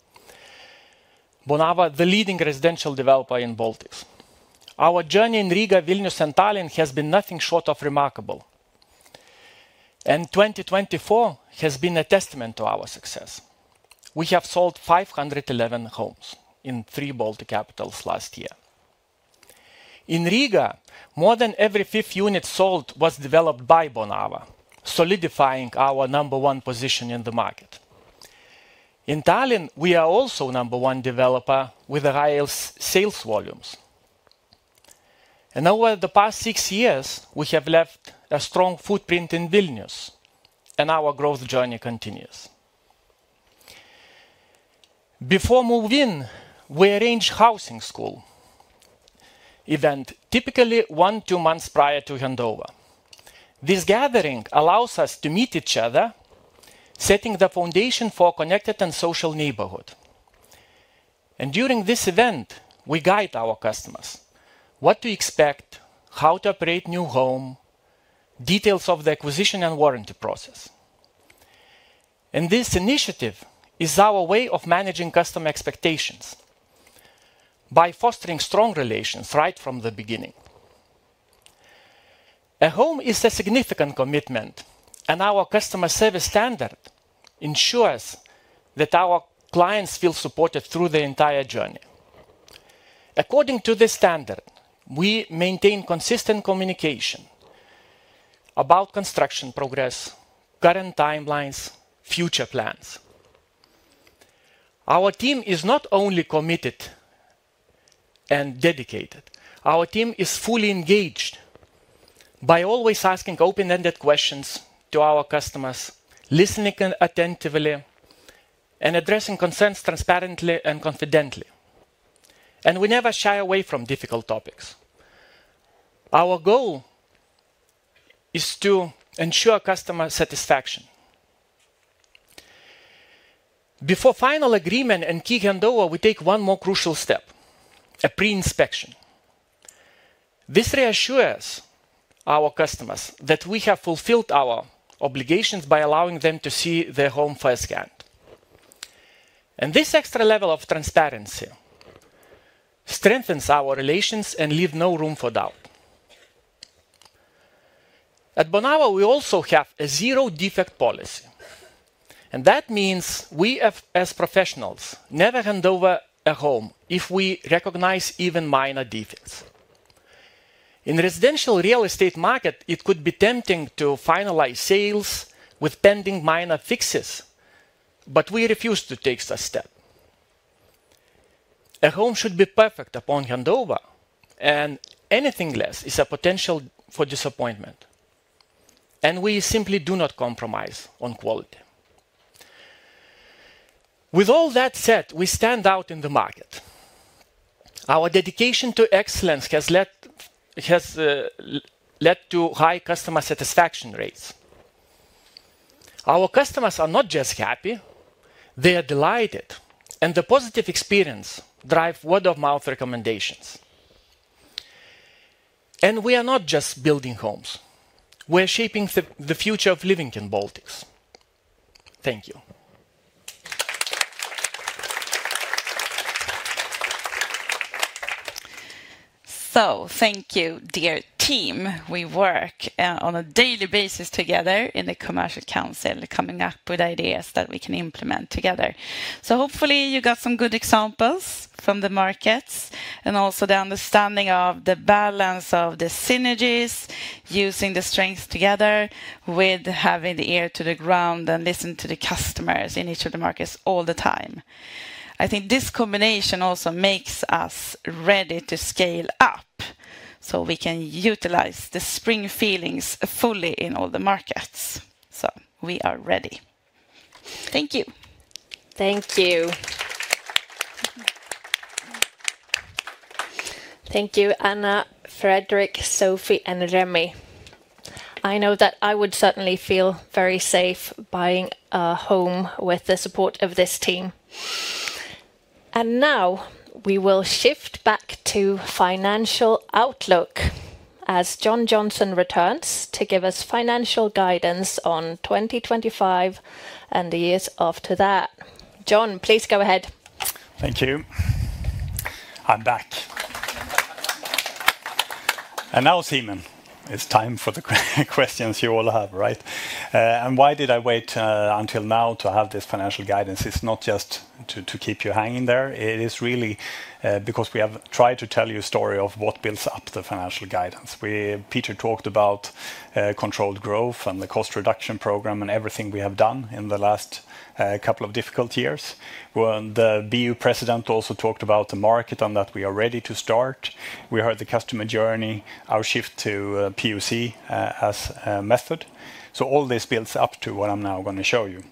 the leading residential developer in Baltics. Our journey in Riga, Vilnius, and Tallinn has been nothing short of remarkable. 2024 has been a testament to our success. We have sold 511 homes in three Baltic capitals last year. In Riga, more than every fifth unit sold was developed by Bonava, solidifying our number one position in the market. In Tallinn, we are also number one developer with the highest sales volumes. Over the past six years, we have left a strong footprint in Vilnius, and our growth journey continues. Before moving, we arrange housing school events typically one to two months prior to handover. This gathering allows us to meet each other, setting the foundation for a connected and social neighborhood. During this event, we guide our customers what to expect, how to operate a new home, details of the acquisition and warranty process. This initiative is our way of managing customer expectations by fostering strong relations right from the beginning. A home is a significant commitment, and our customer service standard ensures that our clients feel supported through the entire journey. According to this standard, we maintain consistent communication about construction progress, current timelines, and future plans. Our team is not only committed and dedicated. Our team is fully engaged by always asking open-ended questions to our customers, listening attentively, and addressing concerns transparently and confidently. We never shy away from difficult topics. Our goal is to ensure customer satisfaction. Before final agreement and key handover, we take one more crucial step: a pre-inspection. This reassures our customers that we have fulfilled our obligations by allowing them to see their home firsthand. This extra level of transparency strengthens our relations and leaves no room for doubt. At Bonava, we also have a zero-defect policy. That means we, as professionals, never hand over a home if we recognize even minor defects. In the residential real estate market, it could be tempting to finalize sales with pending minor fixes, but we refuse to take such a step. A home should be perfect upon handover, and anything less is a potential for disappointment. We simply do not compromise on quality. With all that said, we stand out in the market. Our dedication to excellence has led to high customer satisfaction rates. Our customers are not just happy; they are delighted, and the positive experience drives word-of-mouth recommendations. We are not just building homes. We are shaping the future of living in Baltics. Thank you. Thank you, dear team. We work on a daily basis together in the commercial council, coming up with ideas that we can implement together. Hopefully, you got some good examples from the markets and also the understanding of the balance of the synergies, using the strengths together with having the ear to the ground and listening to the customers in each of the markets all the time. I think this combination also makes us ready to scale up so we can utilize the spring feelings fully in all the markets. We are ready. Thank you. Thank you. Thank you, Anna, Fredrik, Sophie, and Remi. I know that I would certainly feel very safe buying a home with the support of this team. Now we will shift back to financial outlook as Jon Johnsson returns to give us financial guidance on 2025 and the years after that. John, please go ahead. Thank you. I'm back. Now, Simen, it's time for the questions you all have, right? Why did I wait until now to have this financial guidance? It's not just to keep you hanging there. It is really because we have tried to tell you a story of what builds up the financial guidance. Peter talked about controlled growth and the cost reduction program and everything we have done in the last couple of difficult years. The BU President also talked about the market and that we are ready to start. We heard the customer journey, our shift to PUC as a method. All this builds up to what I'm now going to show you.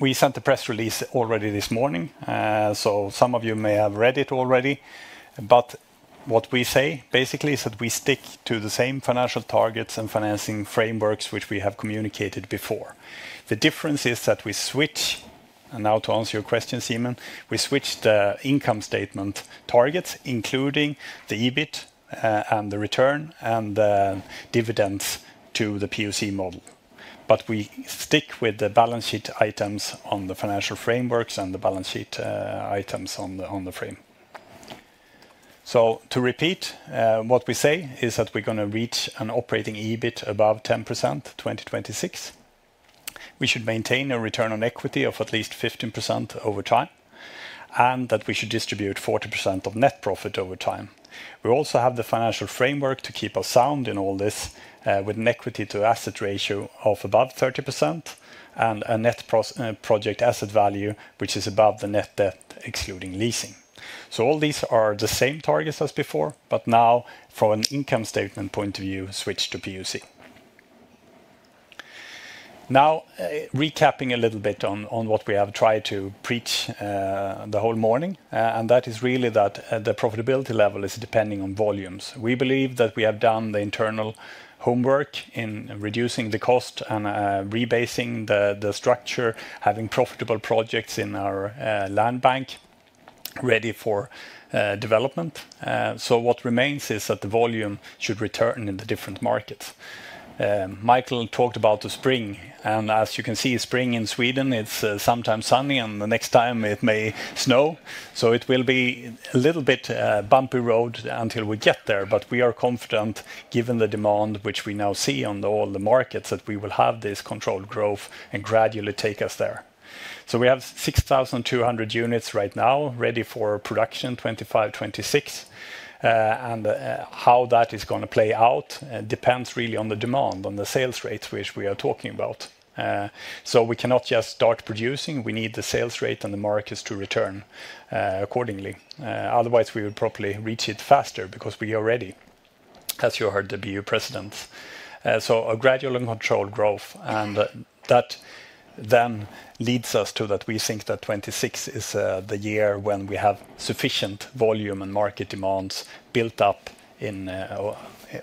We sent a press release already this morning. Some of you may have read it already. What we say basically is that we stick to the same financial targets and financing frameworks, which we have communicated before. The difference is that we switch, and now to answer your question, Simen, we switch the income statement targets, including the EBIT and the return and the dividends to the PUC model. We stick with the balance sheet items on the financial frameworks and the balance sheet items on the frame. To repeat, what we say is that we're going to reach an operating EBIT above 10% in 2026. We should maintain a return on equity of at least 15% over time and that we should distribute 40% of net profit over time. We also have the financial framework to keep us sound in all this with an equity-to-asset ratio of above 30% and a net project asset value, which is above the net debt excluding leasing. All these are the same targets as before, but now from an income statement point of view, switch to PUC. Recapping a little bit on what we have tried to preach the whole morning, that is really that the profitability level is depending on volumes. We believe that we have done the internal homework in reducing the cost and rebasing the structure, having profitable projects in our land bank ready for development. What remains is that the volume should return in the different markets. Mikael talked about the spring, and as you can see, spring in Sweden, it is sometimes sunny, and the next time it may snow. It will be a little bit of a bumpy road until we get there, but we are confident, given the demand which we now see on all the markets, that we will have this controlled growth and gradually take us there. We have 6,200 units right now ready for production in 2025-2026. How that is going to play out depends really on the demand, on the sales rates, which we are talking about. We cannot just start producing. We need the sales rate and the markets to return accordingly. Otherwise, we would probably reach it faster because we are ready, as you heard the BU presidents. A gradual and controlled growth, and that then leads us to that we think that 2026 is the year when we have sufficient volume and market demands built up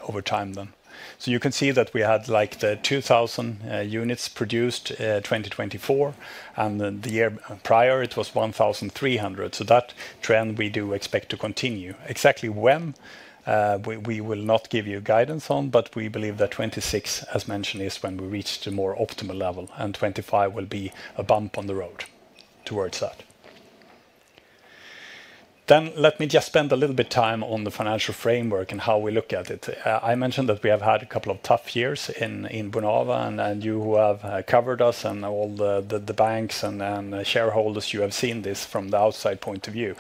over time then. You can see that we had like the 2,000 units produced in 2024, and the year prior, it was 1,300. That trend we do expect to continue. Exactly when we will not give you guidance on, but we believe that 2026, as mentioned, is when we reach the more optimal level, and 2025 will be a bump on the road towards that. Let me just spend a little bit of time on the financial framework and how we look at it. I mentioned that we have had a couple of tough years in Bonava, and you who have covered us and all the banks and shareholders, you have seen this from the outside point of view.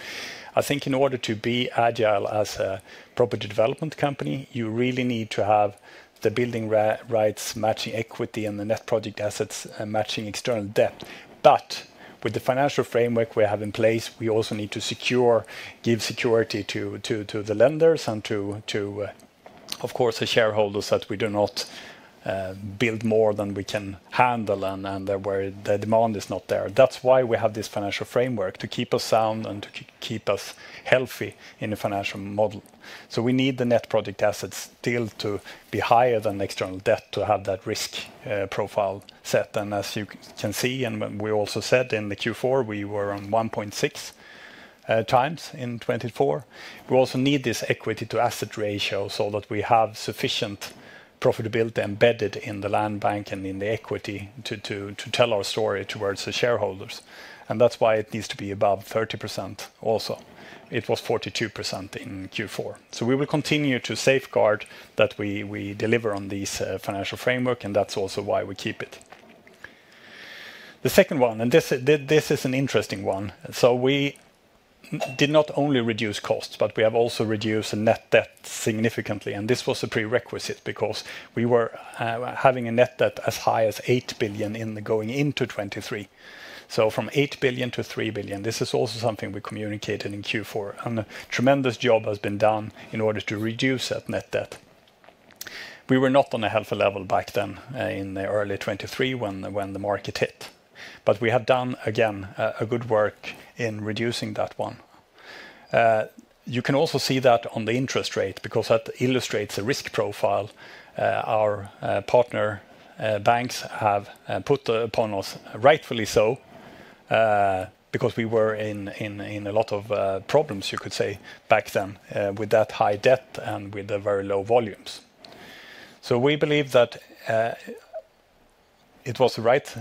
I think in order to be agile as a property development company, you really need to have the building rights matching equity and the net project assets matching external debt. With the financial framework we have in place, we also need to give security to the lenders and to, of course, the shareholders that we do not build more than we can handle and where the demand is not there. That is why we have this financial framework to keep us sound and to keep us healthy in the financial model. We need the net project assets still to be higher than external debt to have that risk profile set. As you can see, and we also said in Q4, we were on 1.6x in 2024. We also need this equity-to-asset ratio so that we have sufficient profitability embedded in the land bank and in the equity to tell our story towards the shareholders. That is why it needs to be above 30% also. It was 42% in Q4. We will continue to safeguard that we deliver on this financial framework, and that is also why we keep it. The second one, and this is an interesting one. We did not only reduce costs, but we have also reduced net debt significantly. This was a prerequisite because we were having a net debt as high as 8 billion going into 2023. From 8 billion-3 billion, this is also something we communicated in Q4. A tremendous job has been done in order to reduce that net debt. We were not on a healthy level back then in the early 2023 when the market hit. We have done, again, a good work in reducing that one. You can also see that on the interest rate because that illustrates the risk profile our partner banks have put upon us, rightfully so, because we were in a lot of problems, you could say, back then with that high debt and with the very low volumes. We believe that it was the right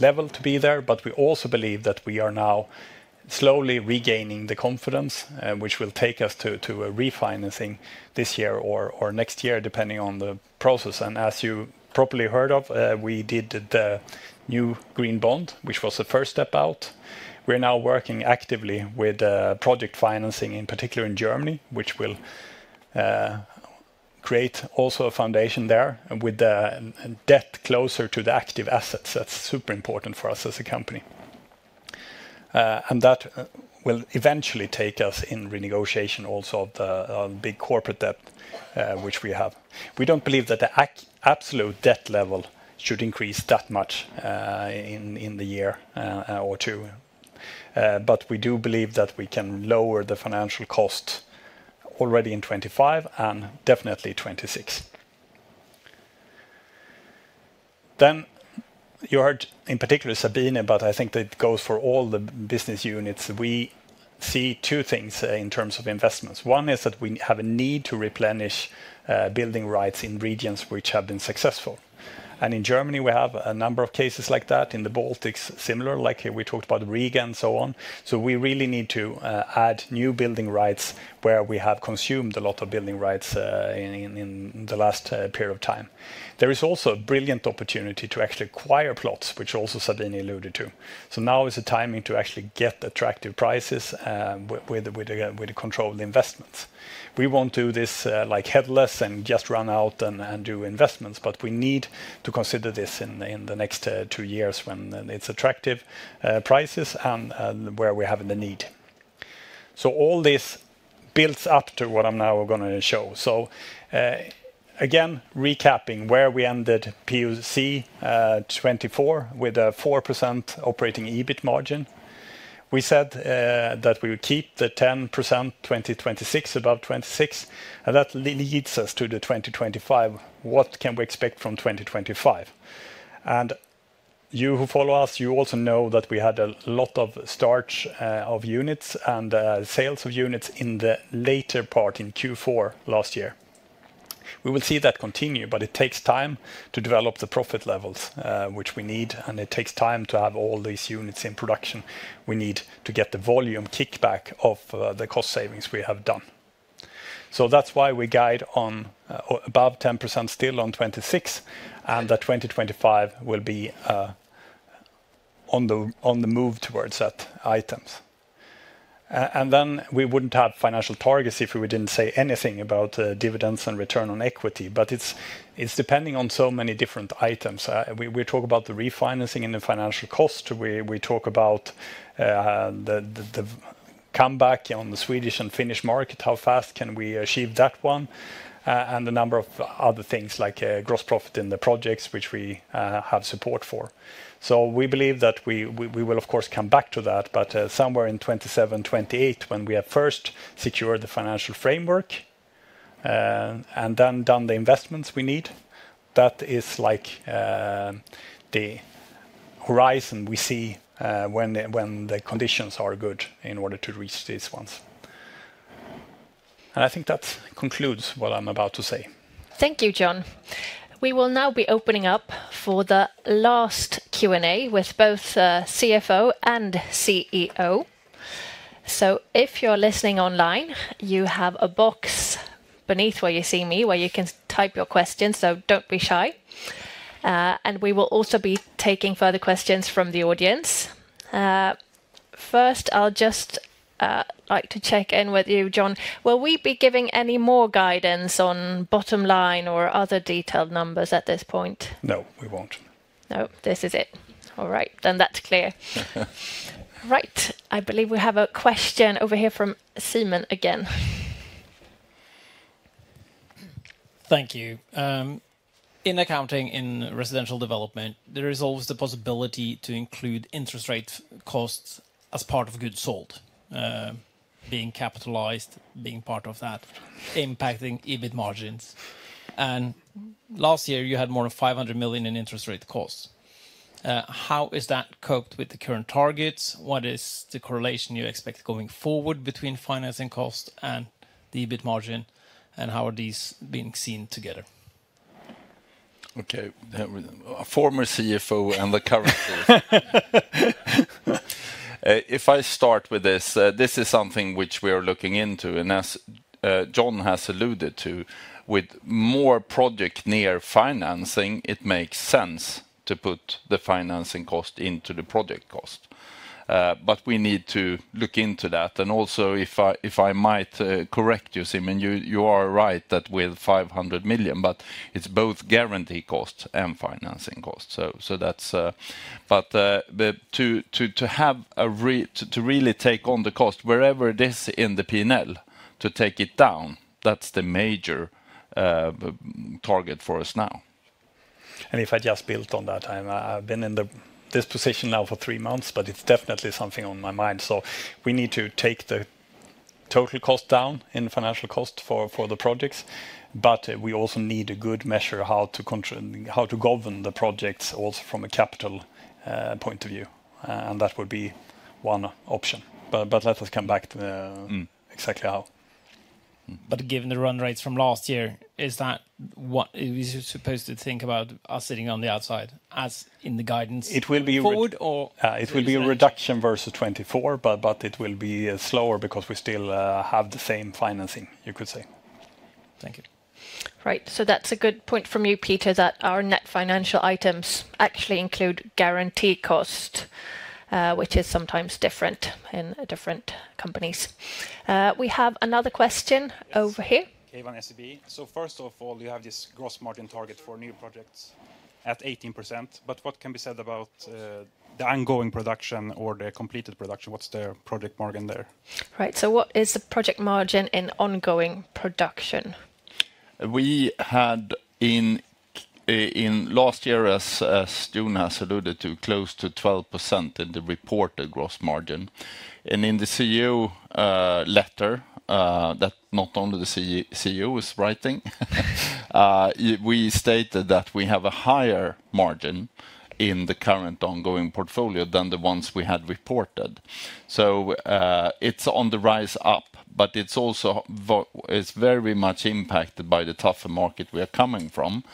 level to be there, but we also believe that we are now slowly regaining the confidence, which will take us to a refinancing this year or next year, depending on the process. As you probably heard of, we did the new green bond, which was the first step out. We're now working actively with project financing, in particular in Germany, which will create also a foundation there with the debt closer to the active assets. That's super important for us as a company. That will eventually take us in renegotiation also of the big corporate debt which we have. We don't believe that the absolute debt level should increase that much in the year or two. We do believe that we can lower the financial cost already in 2025 and definitely 2026. You heard in particular Sabine, but I think that goes for all the business units. We see two things in terms of investments. One is that we have a need to replenish building rights in regions which have been successful. In Germany, we have a number of cases like that. In the Baltics, similar, like we talked about Riga and so on. We really need to add new building rights where we have consumed a lot of building rights in the last period of time. There is also a brilliant opportunity to actually acquire plots, which also Sabine alluded to. Now is the timing to actually get attractive prices with controlled investments. We won't do this headless and just run out and do investments, but we need to consider this in the next two years when it's attractive prices and where we have the need. All this builds up to what I'm now going to show. Again, recapping where we ended PUC 2024 with a 4% operating EBIT margin. We said that we would keep the 10% 2026 above 26, and that leads us to the 2025. What can we expect from 2025? You who follow us, you also know that we had a lot of start of units and sales of units in the later part in Q4 last year. We will see that continue, but it takes time to develop the profit levels which we need, and it takes time to have all these units in production. We need to get the volume kickback of the cost savings we have done. That is why we guide on above 10% still on 2026, and that 2025 will be on the move towards that items. We would not have financial targets if we did not say anything about dividends and return on equity, but it is depending on so many different items. We talk about the refinancing and the financial cost. We talk about the comeback on the Swedish and Finnish market, how fast can we achieve that one, and a number of other things like gross profit in the projects which we have support for. We believe that we will, of course, come back to that, but somewhere in 2027-2028 when we have first secured the financial framework and then done the investments we need, that is like the horizon we see when the conditions are good in order to reach these ones. I think that concludes what I'm about to say. Thank you, John. We will now be opening up for the last Q&A with both CFO and CEO. If you're listening online, you have a box beneath where you see me where you can type your questions, so don't be shy. We will also be taking further questions from the audience. First, I'd just like to check in with you, Jon. Will we be giving any more guidance on bottom line or other detailed numbers at this point? No, we won't. No, this is it. All right, then that's clear. All right, I believe we have a question over here from Simen again. Thank you. In accounting in residential development, there is always the possibility to include interest rate costs as part of goods sold, being capitalized, being part of that, impacting EBIT margins. And last year, you had more than 500 million in interest rate costs. How is that coped with the current targets? What is the correlation you expect going forward between financing costs and the EBIT margin, and how are these being seen together? Okay, former CFO and the current CFO. If I start with this, this is something which we are looking into, and as Jon has alluded to, with more project-near financing, it makes sense to put the financing cost into the project cost. We need to look into that. Also, if I might correct you, Simon, you are right with 500 million, but it is both guaranteed-costs and financing-costs. That is, to have a real take on the cost wherever it is in the P&L, to take it down, that is the major target for us now. If I just build on that, I have been in this position now for three months, but it is definitely something on my mind. We need to take the total cost down in financial cost for the projects, but we also need a good measure of how to govern the projects also from a capital point of view. That would be one option. Let us come back to exactly how. Given the run rates from last year, is that what we're supposed to think about us sitting on the outside as in the guidance? It will be a reduction versus 2024, but it will be slower because we still have the same financing, you could say. Thank you. Right, that's a good point from you, Peter, that our net financial items actually include guaranteed cost, which is sometimes different in different companies. We have another question over here. Okay, one SEB. First of all, you have this gross margin target for new projects at 18%, but what can be said about the ongoing production or the completed production? What's the project margin there? Right, so what is the project margin in ongoing production? We had in last year, as Stuart has alluded to, close to 12% in the reported gross margin. In the CEO letter, that not only the CEO is writing, we stated that we have a higher margin in the current ongoing portfolio than the ones we had reported. It is on the rise up, but it is also very much impacted by the tougher market we are coming from.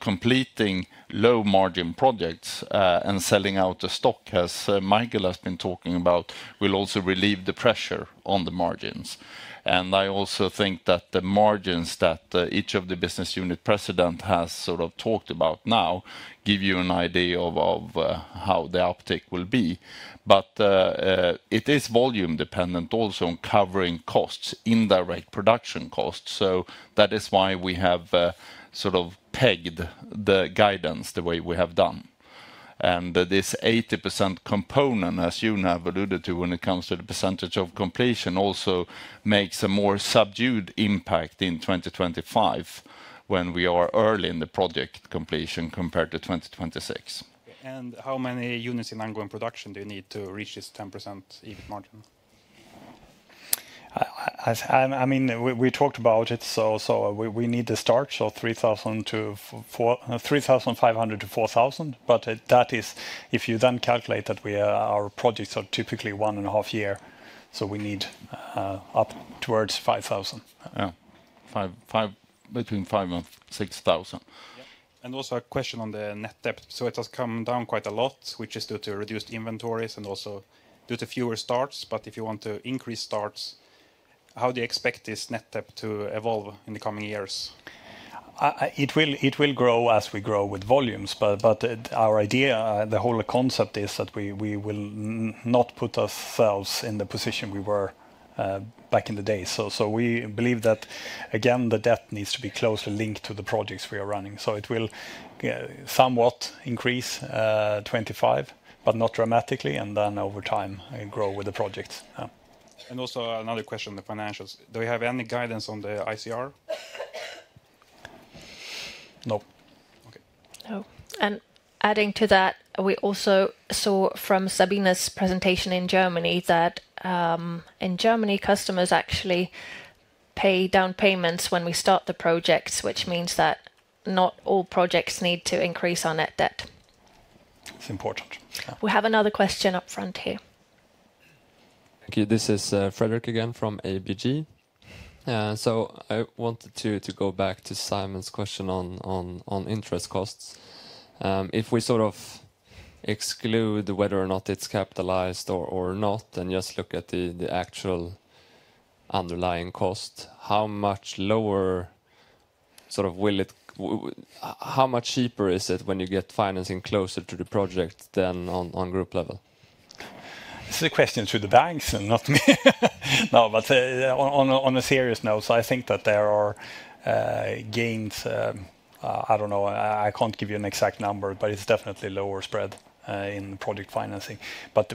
Completing low margin projects and selling out the stock, as Michael has been talking about, will also relieve the pressure on the margins. I also think that the margins that each of the Business Unit President has sort of talked about now give you an idea of how the uptake will be. It is volume dependent also on covering costs, indirect production costs. That is why we have sort of pegged the guidance the way we have done. This 80% component, as you have alluded to when it comes to the percentage of completion, also makes a more subdued impact in 2025 when we are early in the project completion compared to 2026. How many units in ongoing production do you need to reach this 10% EBIT margin? I mean, we talked about it, so we need to start 3,500-4,000, but that is if you then calculate that our projects are typically one and a half year, so we need up towards 5,000. Yeah, between 5,000 and 6,000. Also a question on the net debt. It has come down quite a lot, which is due to reduced inventories and also due to fewer starts. If you want to increase starts, how do you expect this net debt to evolve in the coming years? It will grow as we grow with volumes, but our idea, the whole concept is that we will not put ourselves in the position we were back in the day. We believe that, again, the debt needs to be closely linked to the projects we are running. It will somewhat increase 2025, but not dramatically, and then over time grow with the projects. Also another question, the financials. Do we have any guidance on the ICR? No. Okay. No. Adding to that, we also saw from Sabine's presentation in Germany that in Germany, customers actually pay down payments when we start the projects, which means that not all projects need to increase our net debt. It's important. We have another question up front here. Thank you. This is Fredrik again from ABG. I wanted to go back to Simon's question on interest costs. If we sort of exclude whether or not it's capitalized or not and just look at the actual underlying cost, how much lower sort of will it, how much cheaper is it when you get financing closer to the project than on group level? This is a question to the banks and not me. No, but on a serious note, I think that there are gains, I don't know, I can't give you an exact number, but it's definitely lower spread in project financing.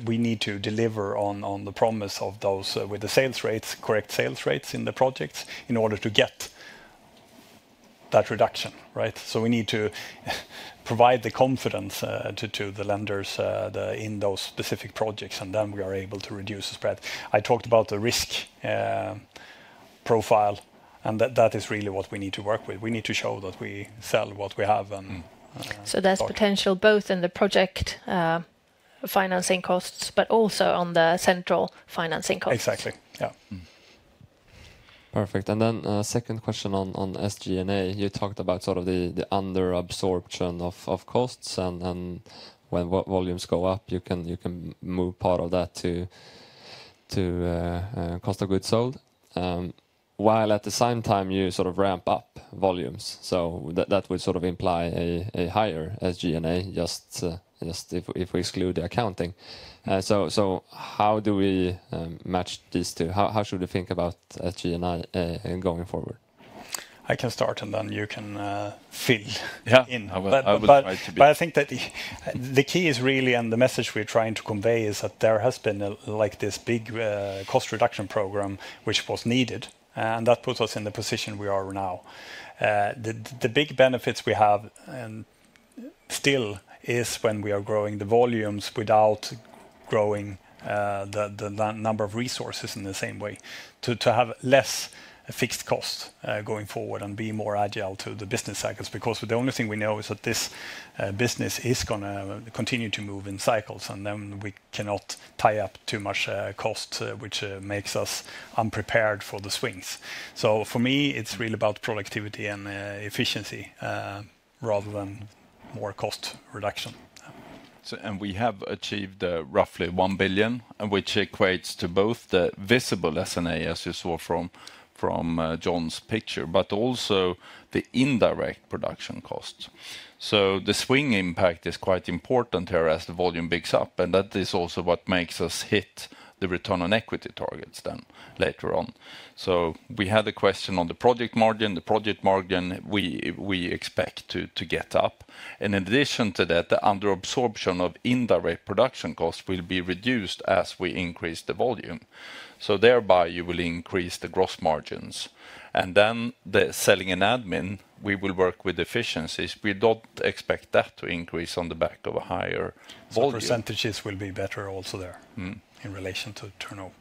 We need to deliver on the promise of those with the sales rates, correct sales rates in the projects in order to get that reduction, right? We need to provide the confidence to the lenders in those specific projects, and then we are able to reduce the spread. I talked about the risk profile, and that is really what we need to work with. We need to show that we sell what we have. That is potential both in the project financing costs, but also on the central financing costs? Exactly, yeah. Perfect. A second question on SG&A. You talked about sort of the under-absorption of costs, and when volumes go up, you can move part of that to cost of goods sold, while at the same time you sort of ramp up volumes. That would sort of imply a higher SG&A just if we exclude the accounting. How do we match these two? How should we think about SG&A going forward? I can start, and then you can fill in. I think that the key is really, and the message we're trying to convey is that there has been this big cost reduction program which was needed, and that puts us in the position we are now. The big benefits we have still is when we are growing the volumes without growing the number of resources in the same way, to have less fixed costs going forward and be more agile to the business cycles. Because the only thing we know is that this business is going to continue to move in cycles, and we cannot tie up too much cost, which makes us unprepared for the swings. For me, it's really about productivity and efficiency rather than more cost reduction. We have achieved roughly 1 billion, which equates to both the visible S&A, as you saw from Jon's picture, but also the indirect production costs. The swing impact is quite important here as the volume bigs up, and that is also what makes us hit the return on equity targets later on. We had a question on the project margin. The project margin we expect to get up. In addition to that, the under-absorption of indirect production costs will be reduced as we increase the volume. Thereby, you will increase the gross margins. The selling and admin, we will work with efficiencies. We don't expect that to increase on the back of a higher volume. Percentages will be better also there in relation to turnover.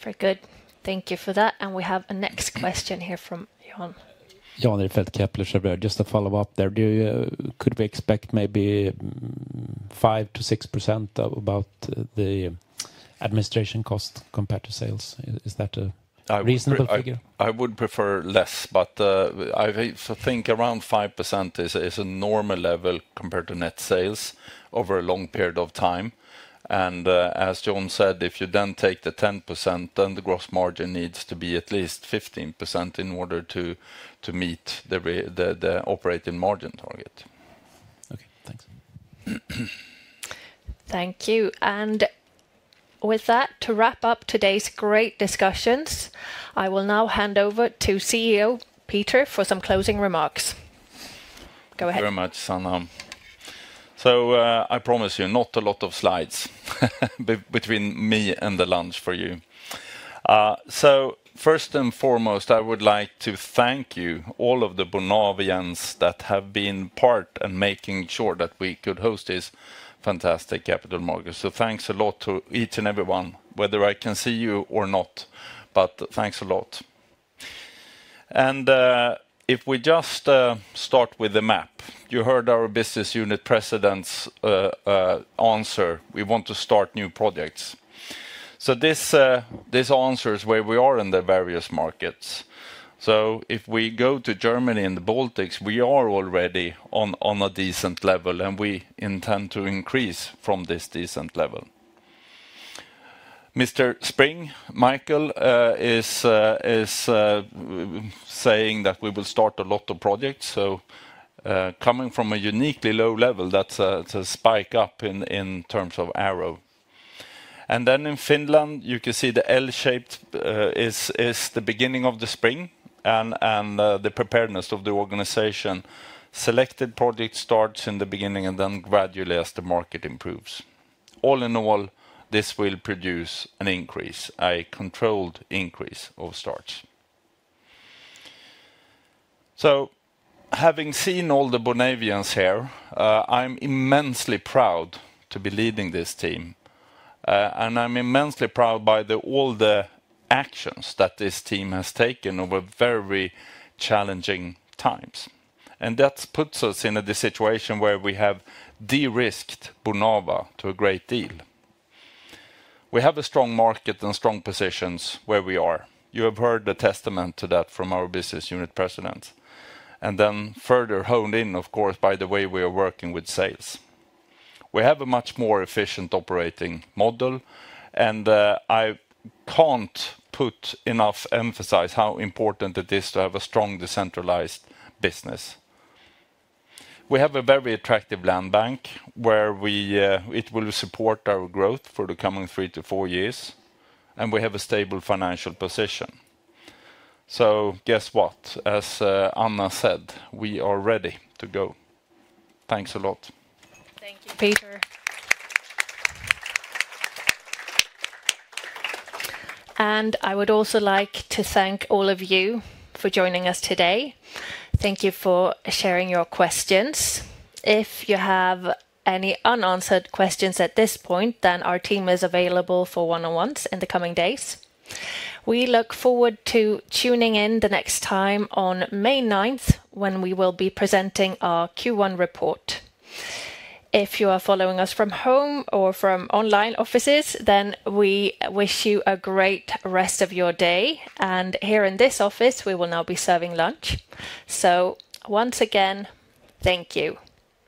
Very good. Thank you for that. We have a next question here from Jan. Jan Ihrfelt here. Just to follow up there, could we expect maybe 5%-6% of about the administration cost compared to sales? Is that a reasonable figure? I would prefer less, but I think around 5% is a normal level compared to net sales over a long period of time. As John said, if you then take the 10%, then the gross margin needs to be at least 15% in order to meet the operating margin target. Okay, thanks. Thank you. With that, to wrap up today's great discussions, I will now hand over to CEO Peter for some closing remarks. Go ahead. Thank you very much, Sanna. I promise you, not a lot of slides between me and the lunch for you. First and foremost, I would like to thank you, all of the Bonnavians that have been part and making sure that we could host this fantastic Capital Markets. Thanks a lot to each and everyone, whether I can see you or not, but thanks a lot. If we just start with the map, you heard our Business Unit President's answer, we want to start new projects. This answer is where we are in the various markets. If we go to Germany and the Baltics, we are already on a decent level, and we intend to increase from this decent level. Mr. Spring, Michael is saying that we will start a lot of projects. Coming from a uniquely low level, that's a spike up in terms of arrow. In Finland, you can see the L-shaped is the beginning of the spring and the preparedness of the organization. Selected project starts in the beginning and then gradually as the market improves. All in all, this will produce an increase, a controlled increase of starts. Having seen all the Bonnavians here, I'm immensely proud to be leading this team, and I'm immensely proud by all the actions that this team has taken over very challenging times. That puts us in a situation where we have de-risked Bonava to a great deal. We have a strong market and strong positions where we are. You have heard the testament to that from our business unit presidents. Further honed in, of course, by the way we are working with sales. We have a much more efficient operating model, and I can't put enough emphasis on how important it is to have a strong decentralized business. We have a very attractive land bank where it will support our growth for the coming three to four years, and we have a stable financial position. Guess what? As Anna said, we are ready to go. Thanks a lot. Thank you, Peter. I would also like to thank all of you for joining us today. Thank you for sharing your questions. If you have any unanswered questions at this point, our team is available for one-on-ones in the coming days. We look forward to tuning in the next time on May 9, when we will be presenting our Q1 report. If you are following us from home or from online offices, we wish you a great rest of your day. Here in this office, we will now be serving lunch. Once again, thank you.